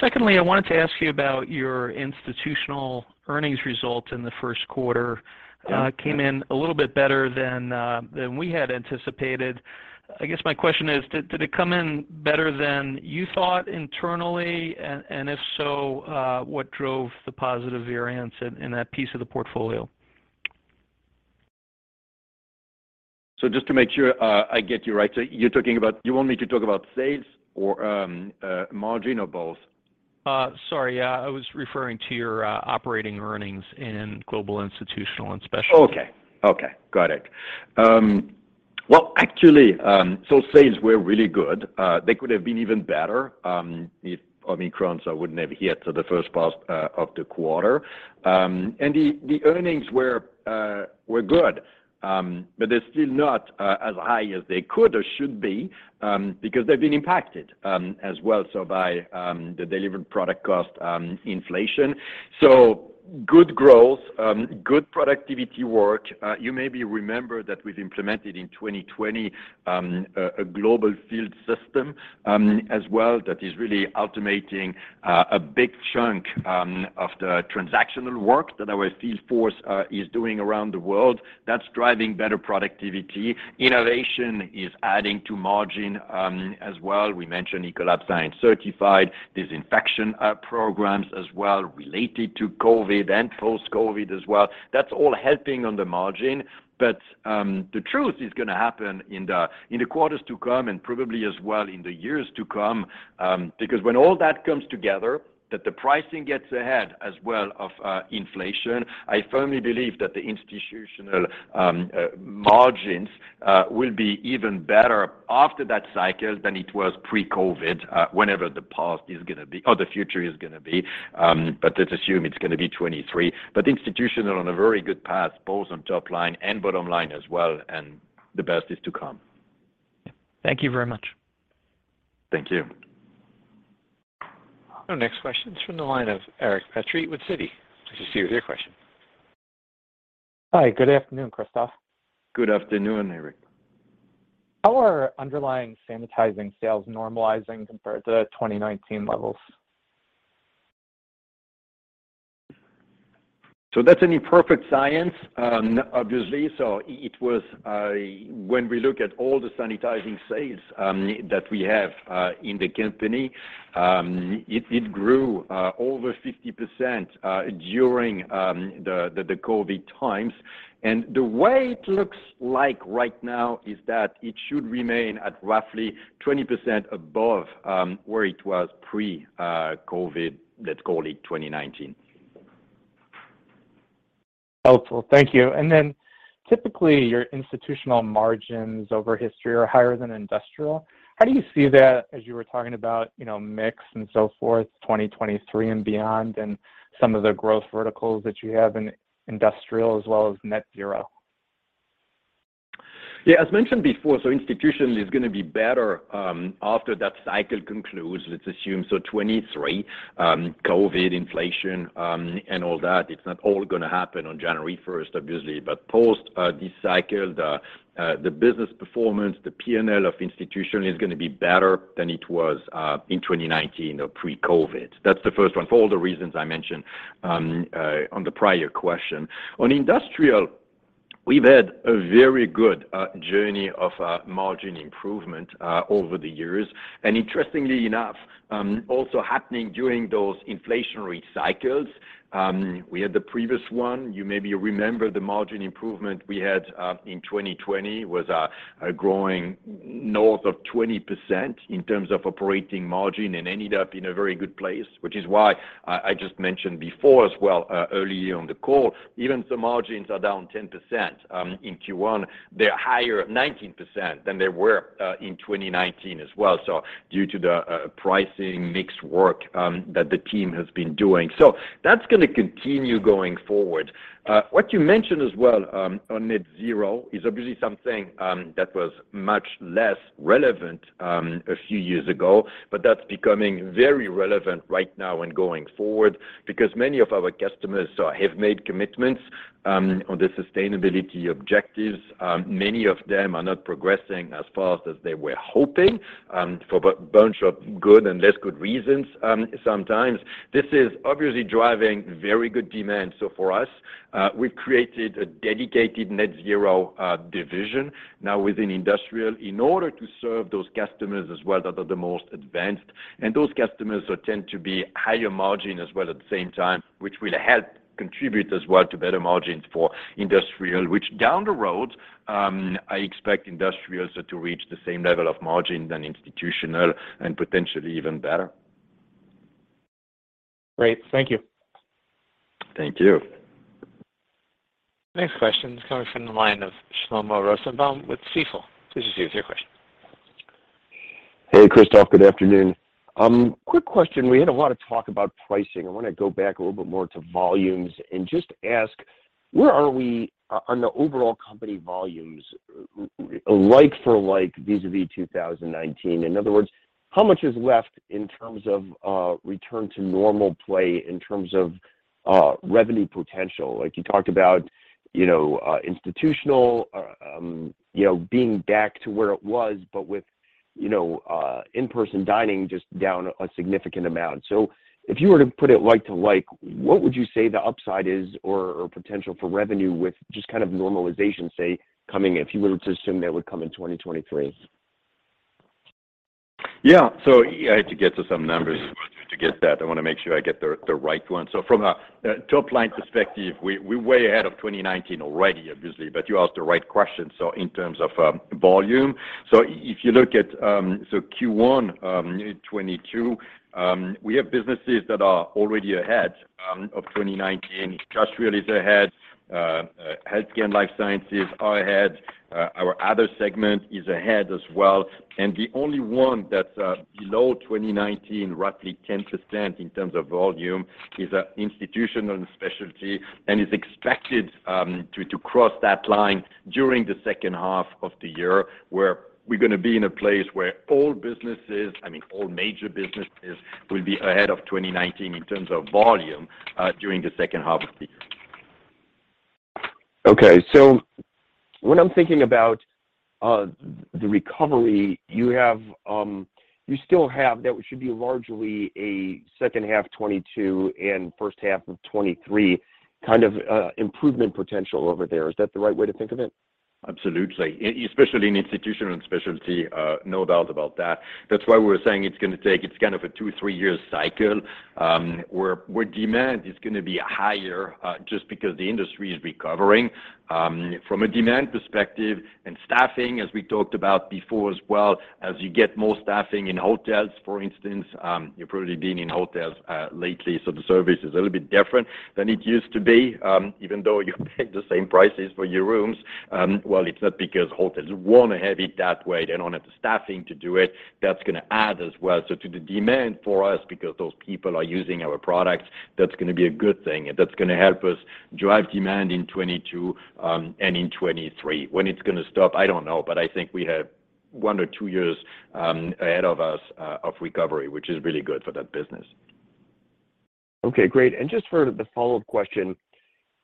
Secondly, I wanted to ask you about your Institutional earnings results in the first quarter. Yeah. Came in a little bit better than we had anticipated. I guess my question is did it come in better than you thought internally? If so, what drove the positive variance in that piece of the portfolio? Just to make sure, I get you right. You want me to talk about sales or margin or both? Sorry. Yeah. I was referring to your operating earnings in Global Institutional and Specialty. Sales were really good. They could have been even better if Omicron hadn't hit in the first part of the quarter. The earnings were good, but they're still not as high as they could or should be because they've been impacted as well by the Delivered Product Cost inflation. Good growth, good productivity work. You maybe remember that we've implemented in 2020 a global field system as well that is really automating a big chunk of the transactional work that our field force is doing around the world. That's driving better productivity. Innovation is adding to margin as well. We mentioned Ecolab Science Certified disinfection programs as well, related to COVID and post-COVID as well. That's all helping on the margin. The truth is gonna happen in the quarters to come and probably as well in the years to come, because when all that comes together, that the pricing gets ahead as well of inflation, I firmly believe that the Institutional margins will be even better after that cycle than it was pre-COVID, whenever the past is gonna be or the future is gonna be, but let's assume it's gonna be 2023. Institutional on a very good path, both on top line and bottom line as well, and the best is to come. Thank you very much. Thank you. Our next question's from the line of Eric Petrie with Citi. Please proceed with your question. Hi. Good afternoon, Christophe. Good afternoon, Eric. How are underlying sanitizing sales normalizing compared to 2019 levels? That's an imperfect science, obviously. It was when we look at all the sanitizing sales that we have in the company, it grew over 50% during the COVID times. The way it looks like right now is that it should remain at roughly 20% above where it was pre-COVID, let's call it 2019. Helpful. Thank you. Typically, your institutional margins over history are higher than industrial. How do you see that as you were talking about, you know, mix and so forth, 2023 and beyond and some of the growth verticals that you have in industrial as well as net zero? Yeah, as mentioned before, Institutional is gonna be better after that cycle concludes, let's assume. 2023, COVID, inflation, and all that, it's not all gonna happen on January 1st, obviously. Post this cycle, the business performance, the P&L of Institutional is gonna be better than it was in 2019 or pre-COVID. That's the first one for all the reasons I mentioned on the prior question. On Industrial, we've had a very good journey of margin improvement over the years. Interestingly enough, also happening during those inflationary cycles, we had the previous one. You maybe remember the margin improvement we had in 2020 was a growing north of 20% in terms of operating margin and ended up in a very good place, which is why I just mentioned before as well early on the call. Even some margins are down 10% in Q1. They're higher 19% than they were in 2019 as well due to the pricing mix work that the team has been doing. That's gonna continue going forward. What you mentioned as well on net zero is obviously something that was much less relevant a few years ago, but that's becoming very relevant right now and going forward because many of our customers have made commitments on the sustainability objectives. Many of them are not progressing as fast as they were hoping, for bunch of good and less good reasons, sometimes. This is obviously driving very good demand. For us, we've created a dedicated net zero division now within Industrial in order to serve those customers as well that are the most advanced, and those customers tend to be higher margin as well at the same time, which will help contribute as well to better margins for Industrial, which down the road, I expect Industrial to reach the same level of margin than Institutional and potentially even better. Great. Thank you. Thank you. Next question is coming from the line of Shlomo Rosenbaum with Stifel. Please proceed with your question. Hey, Christophe. Good afternoon. Quick question. We had a lot of talk about pricing. I wanna go back a little bit more to volumes and just ask, where are we on the overall company volumes like for like vis-à-vis 2019? In other words, how much is left in terms of return to normal play in terms of revenue potential? Like, you talked about, you know, Institutional, you know, being back to where it was, but with, you know, in-person dining just down a significant amount. If you were to put it like to like, what would you say the upside is or potential for revenue with just kind of normalization, say, coming in if you were to assume that would come in 2023? I had to get to some numbers to get that. I wanna make sure I get the right one. From a top-line perspective, we're way ahead of 2019 already, obviously, but you asked the right question, so in terms of volume. If you look at Q1 2022, we have businesses that are already ahead of 2019. Industrial is ahead. Healthcare and Life Sciences are ahead. Our Other segment is ahead as well. The only one that's below 2019, roughly 10% in terms of volume is Institutional and Specialty and is expected to cross that line during the second half of the year, where we're gonna be in a place where all businesses, I mean, all major businesses will be ahead of 2019 in terms of volume during the second half of the year. When I'm thinking about the recovery you still have, that should be largely a second half 2022 and first half of 2023 kind of improvement potential over there. Is that the right way to think of it? Absolutely. Especially in Institutional & Specialty, no doubt about that. That's why we're saying it's gonna take. It's kind of a two, three-year cycle, where demand is gonna be higher, just because the industry is recovering, from a demand perspective. Staffing, as we talked about before as well, as you get more staffing in hotels, for instance, you've probably been in hotels lately, so the service is a little bit different than it used to be, even though you pay the same prices for your rooms. Well, it's not because hotels wanna have it that way. They don't have the staffing to do it. That's gonna add as well. To the demand for us, because those people are using our products, that's gonna be a good thing, and that's gonna help us drive demand in 2022 and in 2023. When it's gonna stop, I don't know, but I think we have one or two years ahead of us of recovery, which is really good for that business. Okay, great. Just for the follow-up question,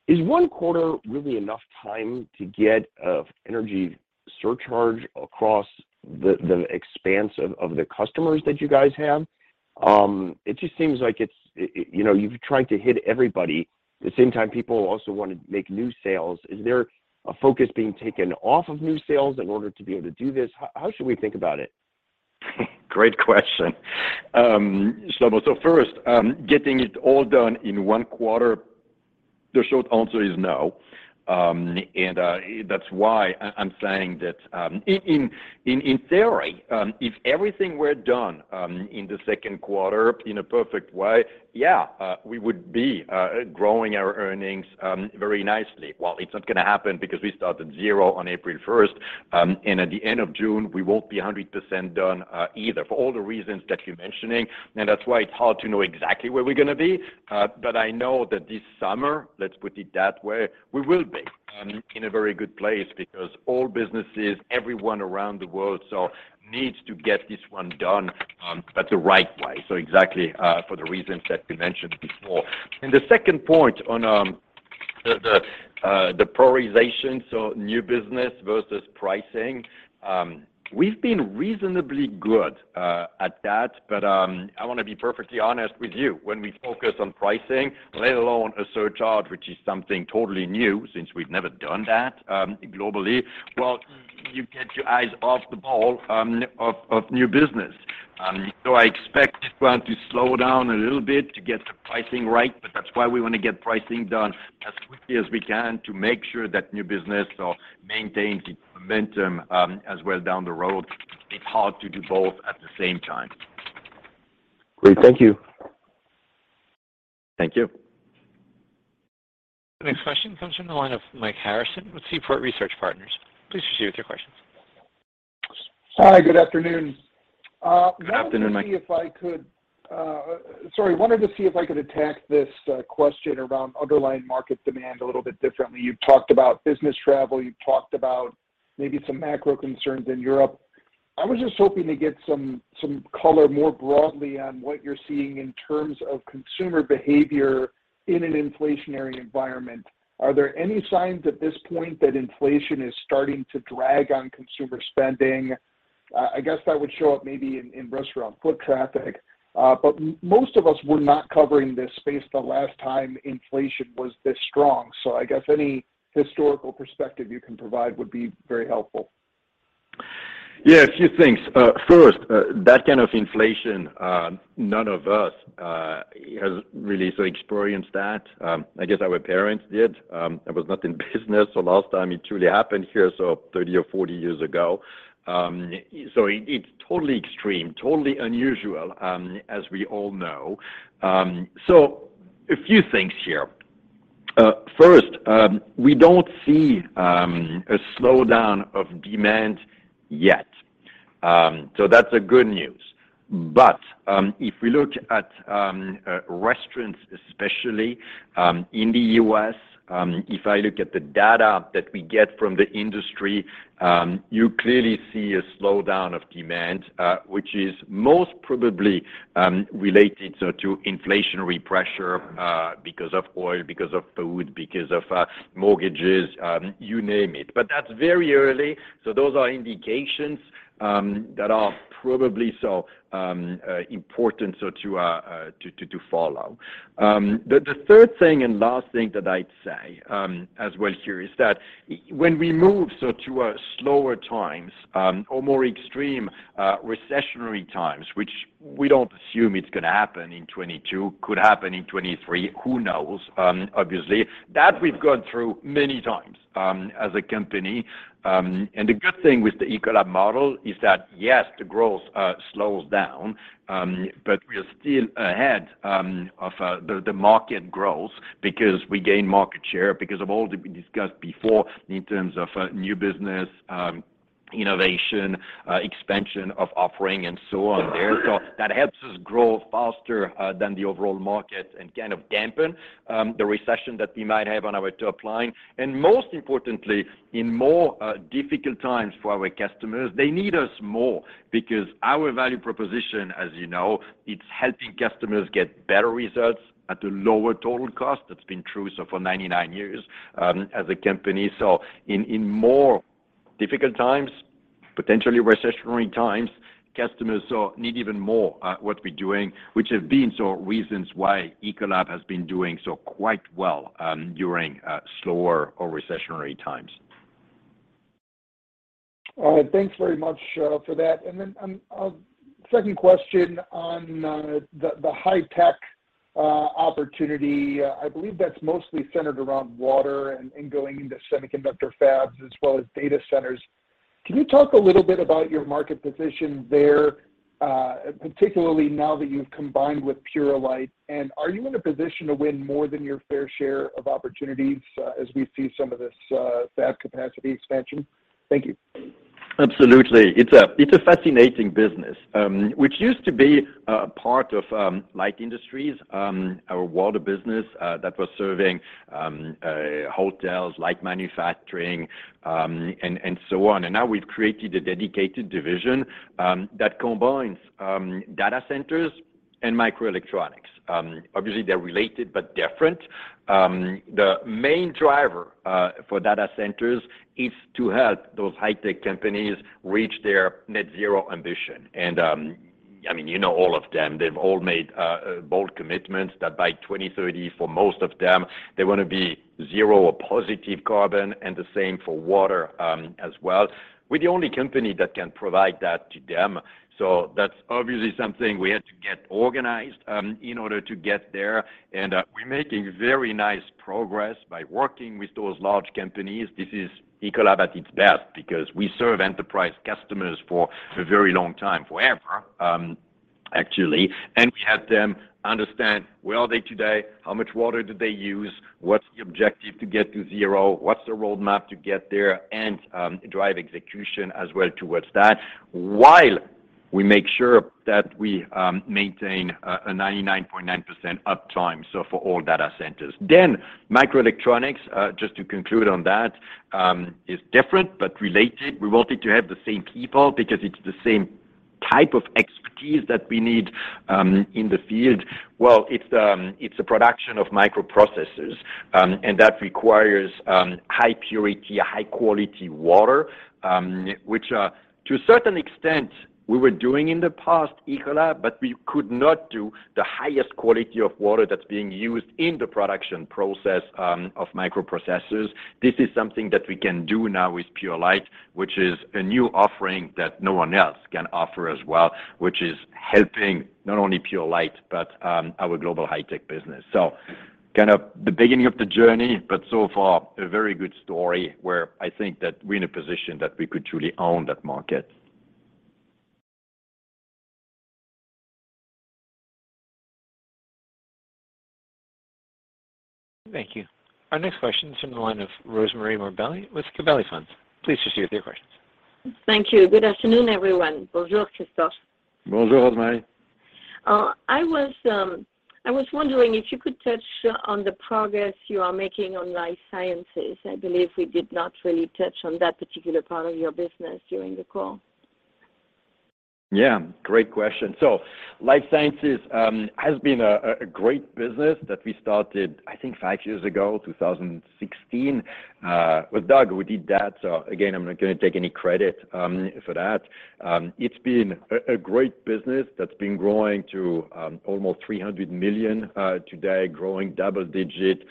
is one quarter really enough time to get an energy surcharge across the expanse of the customers that you guys have? It just seems like it's, you know, you've tried to hit everybody. At the same time, people also wanna make new sales. Is there a focus being taken off of new sales in order to be able to do this? How should we think about it? Great question. So first, getting it all done in one quarter, the short answer is no. That's why I'm saying that in theory, if everything were done in the second quarter in a perfect way, yeah, we would be growing our earnings very nicely. Well, it's not gonna happen because we start at zero on April 1st, and at the end of June, we won't be 100% done, either for all the reasons that you're mentioning. That's why it's hard to know exactly where we're gonna be. But I know that this summer, let's put it that way, we will be in a very good place because all businesses, everyone around the world so needs to get this one done, but the right way. Exactly, for the reasons that you mentioned before. The second point on the prioritization, so new business versus pricing, we've been reasonably good at that, but I wanna be perfectly honest with you. When we focus on pricing, let alone a surcharge, which is something totally new since we've never done that globally, well, you get your eyes off the ball of new business. I expect it's going to slow down a little bit to get the pricing right, but that's why we wanna get pricing done as quickly as we can to make sure that new business so maintains its momentum as well down the road. It's hard to do both at the same time. Great. Thank you. Thank you. The next question comes from the line of Mike Harrison with Seaport Research Partners. Please proceed with your questions. Hi, good afternoon. Good afternoon, Mike. Sorry, wanted to see if I could attack this question around underlying market demand a little bit differently. You've talked about business travel, you've talked about maybe some macro concerns in Europe. I was just hoping to get some color more broadly on what you're seeing in terms of consumer behavior in an inflationary environment. Are there any signs at this point that inflation is starting to drag on consumer spending? I guess that would show up maybe in restaurant foot traffic. But most of us were not covering this space the last time inflation was this strong. I guess any historical perspective you can provide would be very helpful. Yeah, a few things. First, that kind of inflation, none of us has really experienced that. I guess our parents did. I was not in business the last time it truly happened here, 30 or 40 years ago. It is totally extreme, totally unusual, as we all know. A few things here. First, we don't see a slowdown of demand yet. That's good news. If we look at restaurants especially, in the U.S., if I look at the data that we get from the industry, you clearly see a slowdown of demand, which is most probably related to inflationary pressure, because of oil, because of food, because of mortgages, you name it. That's very early, so those are indications that are probably important to follow. The third thing and last thing that I'd say as well here is that when we move to slower times or more extreme recessionary times, which we don't assume it's gonna happen in 2022, could happen in 2023, who knows, obviously, that we've gone through many times as a company. The good thing with the Ecolab model is that, yes, the growth slows down, but we are still ahead of the market growth because we gain market share, because of all that we discussed before in terms of new business, innovation, expansion of offering and so on there. That helps us grow faster than the overall market and kind of dampen the recession that we might have on our top line. Most importantly, in more difficult times for our customers, they need us more because our value proposition, as you know, it's helping customers get better results at a lower total cost. That's been true so for 99 years as a company. In more difficult times, potentially recessionary times, customers so need even more what we're doing, which have been some reasons why Ecolab has been doing so quite well during slower or recessionary times. All right. Thanks very much for that. Second question on the High-Tech opportunity. I believe that's mostly centered around water and going into semiconductor fabs as well as data centers. Can you talk a little bit about your market position there, particularly now that you've combined with Purolite? Are you in a position to win more than your fair share of opportunities as we see some of this fab capacity expansion? Thank you. Absolutely. It's a fascinating business, which used to be a part of light industries, our water business that was serving hotels, light manufacturing, and so on. Now we've created a dedicated division that combines data centers and microelectronics. Obviously they're related but different. The main driver for data centers is to help those high-tech companies reach their net zero ambition. I mean, you know all of them. They've all made bold commitments that by 2030, for most of them, they wanna be zero or positive carbon and the same for water as well. We're the only company that can provide that to them. That's obviously something we had to get organized in order to get there. We're making very nice progress by working with those large companies. This is Ecolab at its best because we serve enterprise customers for a very long time, forever, actually. We have them understand where are they today, how much water do they use, what's the objective to get to zero, what's the roadmap to get there, and drive execution as well towards that, while we make sure that we maintain a 99.9% uptime, so for all data centers. Microelectronics, just to conclude on that, is different but related. We wanted to have the same people because it's the same type of expertise that we need in the field. Well, it's a production of microprocessors, and that requires high purity, high quality water, which, to a certain extent, we were doing in the past, Ecolab, but we could not do the highest quality of water that's being used in the production process of microprocessors. This is something that we can do now with Purolite, which is a new offering that no one else can offer as well, which is helping not only Purolite, but our Global High-Tech business. Kind of the beginning of the journey, but so far a very good story where I think that we're in a position that we could truly own that market. Thank you. Our next question is from the line of Rosemarie Morbelli with Gabelli Funds. Please proceed with your questions. Thank you. Good afternoon, everyone. Bonjour, Christophe. Bonjour, Rosemarie. I was wondering if you could touch on the progress you are making on life sciences. I believe we did not really touch on that particular part of your business during the call. Yeah. Great question. Life sciences has been a great business that we started, I think, five years ago, 2016. With Doug, we did that. Again, I'm not gonna take any credit for that. It's been a great business that's been growing to almost $300 million today, growing double-digit,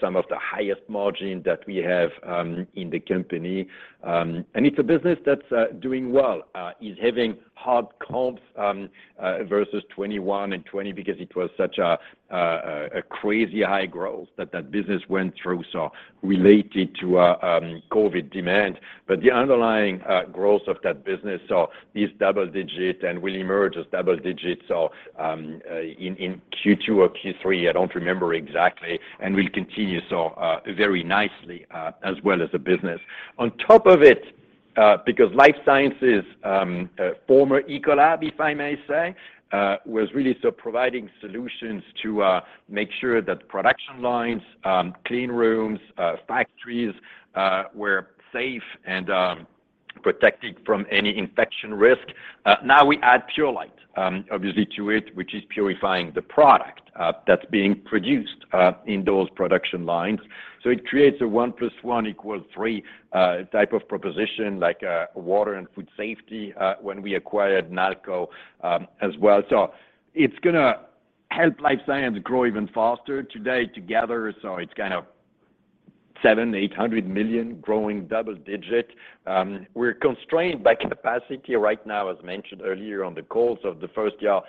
some of the highest margin that we have in the company. It's a business that's doing well, is having hard comps versus 2021 and 2020 because it was such a crazy high growth that that business went through, so related to COVID demand. The underlying growth of that business saw these double-digit and will emerge as double-digits in Q2 or Q3, I don't remember exactly, and will continue very nicely as well as a business. On top of it, because Life Sciences, former Ecolab, if I may say, was really providing solutions to make sure that production lines, clean rooms, factories, were safe and protected from any infection risk. Now we add Purolite obviously to it, which is purifying the product that's being produced in those production lines. It creates a one plus one equals three type of proposition like water and food safety when we acquired Nalco as well. It's gonna help Life Sciences grow even faster today together. It's kind of $700 million-$800 million growing double digit. We're constrained by capacity right now, as mentioned earlier on the calls of the first half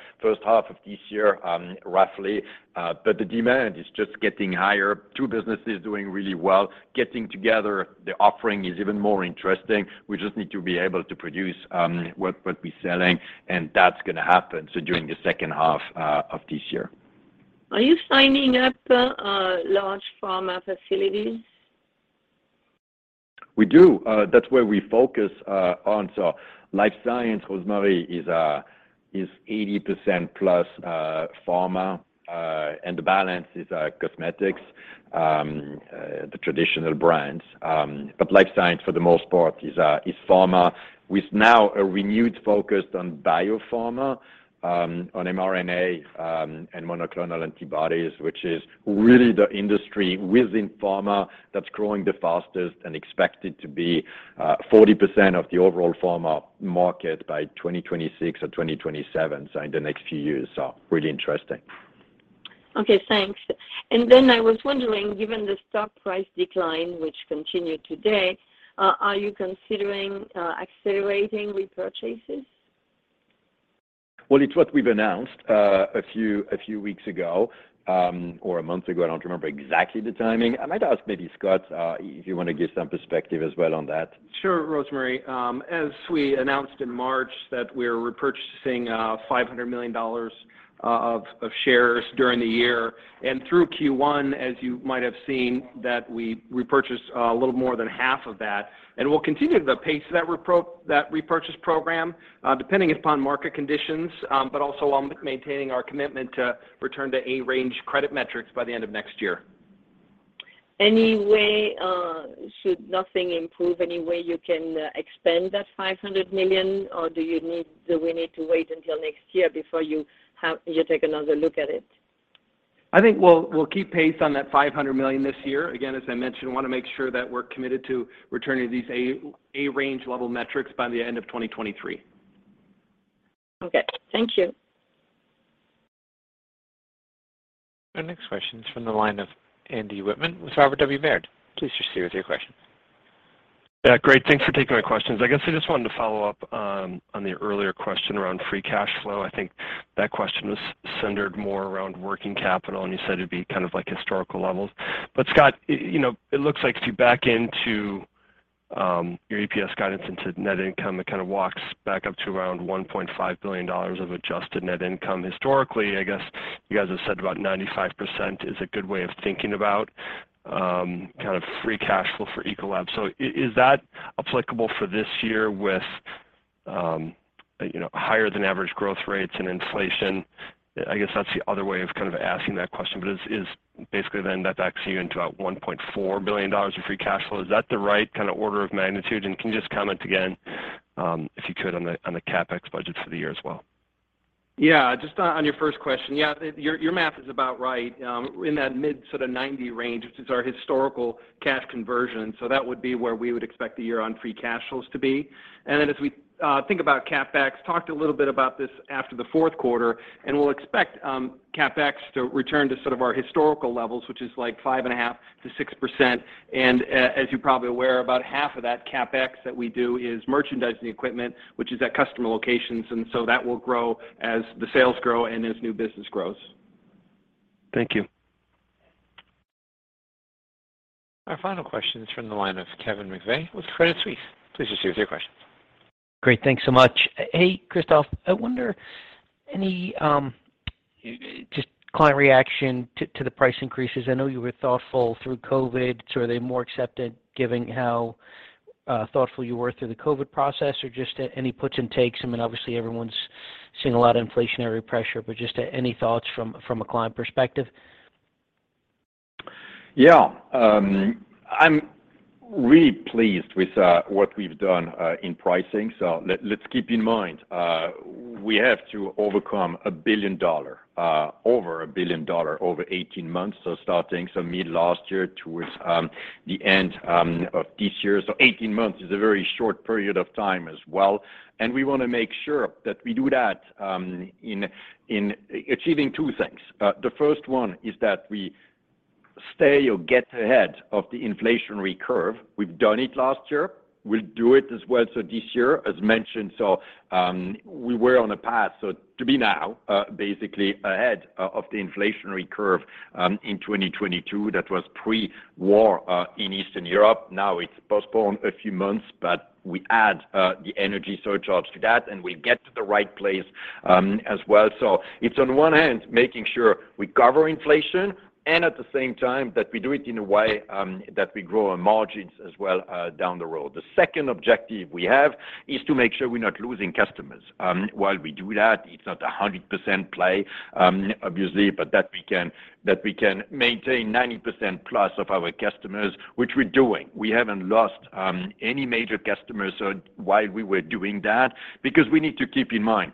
of this year, roughly. But the demand is just getting higher. Two businesses doing really well. Getting together, the offering is even more interesting. We just need to be able to produce what we're selling, and that's gonna happen during the second half of this year. Are you signing up large pharma facilities? We do. That's where we focus on. Life science, Rosemarie, is 80% plus pharma, and the balance is cosmetics, the traditional brands. But life science for the most part is pharma with now a renewed focus on biopharma, on mRNA, and monoclonal antibodies, which is really the industry within pharma that's growing the fastest and expected to be 40% of the overall pharma market by 2026 or 2027. In the next few years, really interesting. Okay, thanks. I was wondering, given the stock price decline which continued today, are you considering accelerating repurchases? Well, it's what we've announced, a few weeks ago, or a month ago. I don't remember exactly the timing. I might ask maybe Scott, if you wanna give some perspective as well on that. Sure. Rosemarie, as we announced in March that we're repurchasing $500 million of shares during the year. Through Q1, as you might have seen, that we repurchased a little more than half of that. We'll continue the pace of that repurchase program, depending upon market conditions, but also on maintaining our commitment to return to A-range credit metrics by the end of next year. Anyway, should nothing improve, anyway you can expand that $500 million, or do we need to wait until next year before you take another look at it? I think we'll keep pace on that $500 million this year. Again, as I mentioned, wanna make sure that we're committed to returning these A-range level metrics by the end of 2023. Okay. Thank you. Our next question is from the line of Andy Wittmann with Robert W. Baird. Please proceed with your question. Yeah, great. Thanks for taking my questions. I guess I just wanted to follow up on the earlier question around free cash flow. I think that question was centered more around working capital, and you said it'd be kind of like historical levels. But Scott, you know, it looks like if you back into your EPS guidance into net income, it kind of walks back up to around $1.5 billion of adjusted net income. Historically, I guess you guys have said about 95% is a good way of thinking about kind of free cash flow for Ecolab. So is that applicable for this year with you know, higher than average growth rates and inflation? I guess that's the other way of kind of asking that question, but is basically then that backs you into $1.4 billion of free cash flow. Is that the right kinda order of magnitude, and can you just comment again, if you could, on the CapEx budgets for the year as well? Yeah. Just on your first question. Yeah, your math is about right in that mid sort of 90 range, which is our historical cash conversion. That would be where we would expect the year-end free cash flows to be. As we think about CapEx, talked a little bit about this after the fourth quarter, and we'll expect CapEx to return to sort of our historical levels, which is like 5.5%-6%. As you're probably aware, about half of that CapEx that we do is merchandising equipment, which is at customer locations, and so that will grow as the sales grow and as new business grows. Thank you. Our final question is from the line of Kevin McVeigh with Credit Suisse. Please proceed with your question. Great. Thanks so much. Hey, Christophe, I wonder any just client reaction to the price increases. I know you were thoughtful through COVID, so are they more accepted given how thoughtful you were through the COVID process? Or just any puts and takes? I mean, obviously everyone's seeing a lot of inflationary pressure, but just any thoughts from a client perspective? Yeah. I'm really pleased with what we've done in pricing. Let's keep in mind we have to overcome over $1 billion over 18 months. Starting mid last year towards the end of this year. Eighteen months is a very short period of time as well, and we wanna make sure that we do that in achieving two things. The first one is that we stay or get ahead of the inflationary curve. We've done it last year. We'll do it as well, so this year, as mentioned. We were on a path so to be now basically ahead of the inflationary curve in 2022, that was pre-war in Eastern Europe. Now it's postponed a few months, but we add the energy surcharges to that, and we get to the right place as well. It's on one hand making sure we cover inflation and at the same time that we do it in a way that we grow our margins as well down the road. The second objective we have is to make sure we're not losing customers. While we do that, it's not a 100% play, obviously, but that we can maintain 90% plus of our customers, which we're doing. We haven't lost any major customers while we were doing that. Because we need to keep in mind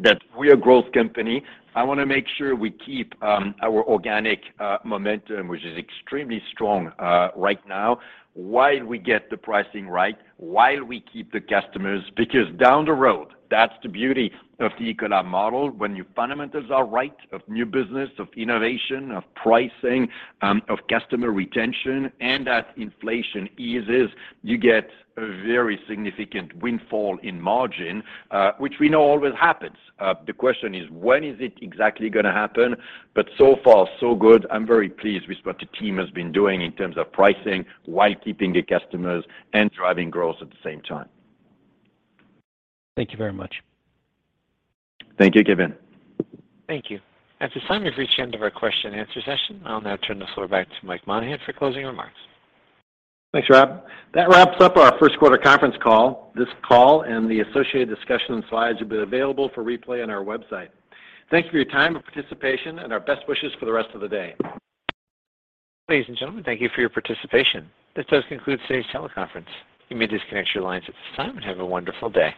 that we're a growth company. I wanna make sure we keep our organic momentum, which is extremely strong right now, while we get the pricing right, while we keep the customers. Because down the road, that's the beauty of the Ecolab model. When your fundamentals are right of new business, of innovation, of pricing, of customer retention, and as inflation eases, you get a very significant windfall in margin, which we know always happens. The question is when is it exactly gonna happen? So far, so good. I'm very pleased with what the team has been doing in terms of pricing while keeping the customers and driving growth at the same time. Thank you very much. Thank you, Kevin. Thank you. At this time, we've reached the end of our question and answer session. I'll now turn the floor back to Mike Monahan for closing remarks. Thanks, Rob. That wraps up our first quarter conference call. This call and the associated discussion and slides will be available for replay on our website. Thank you for your time and participation and our best wishes for the rest of the day. Ladies and gentlemen, thank you for your participation. This does conclude today's teleconference. You may disconnect your lines at this time, and have a wonderful day.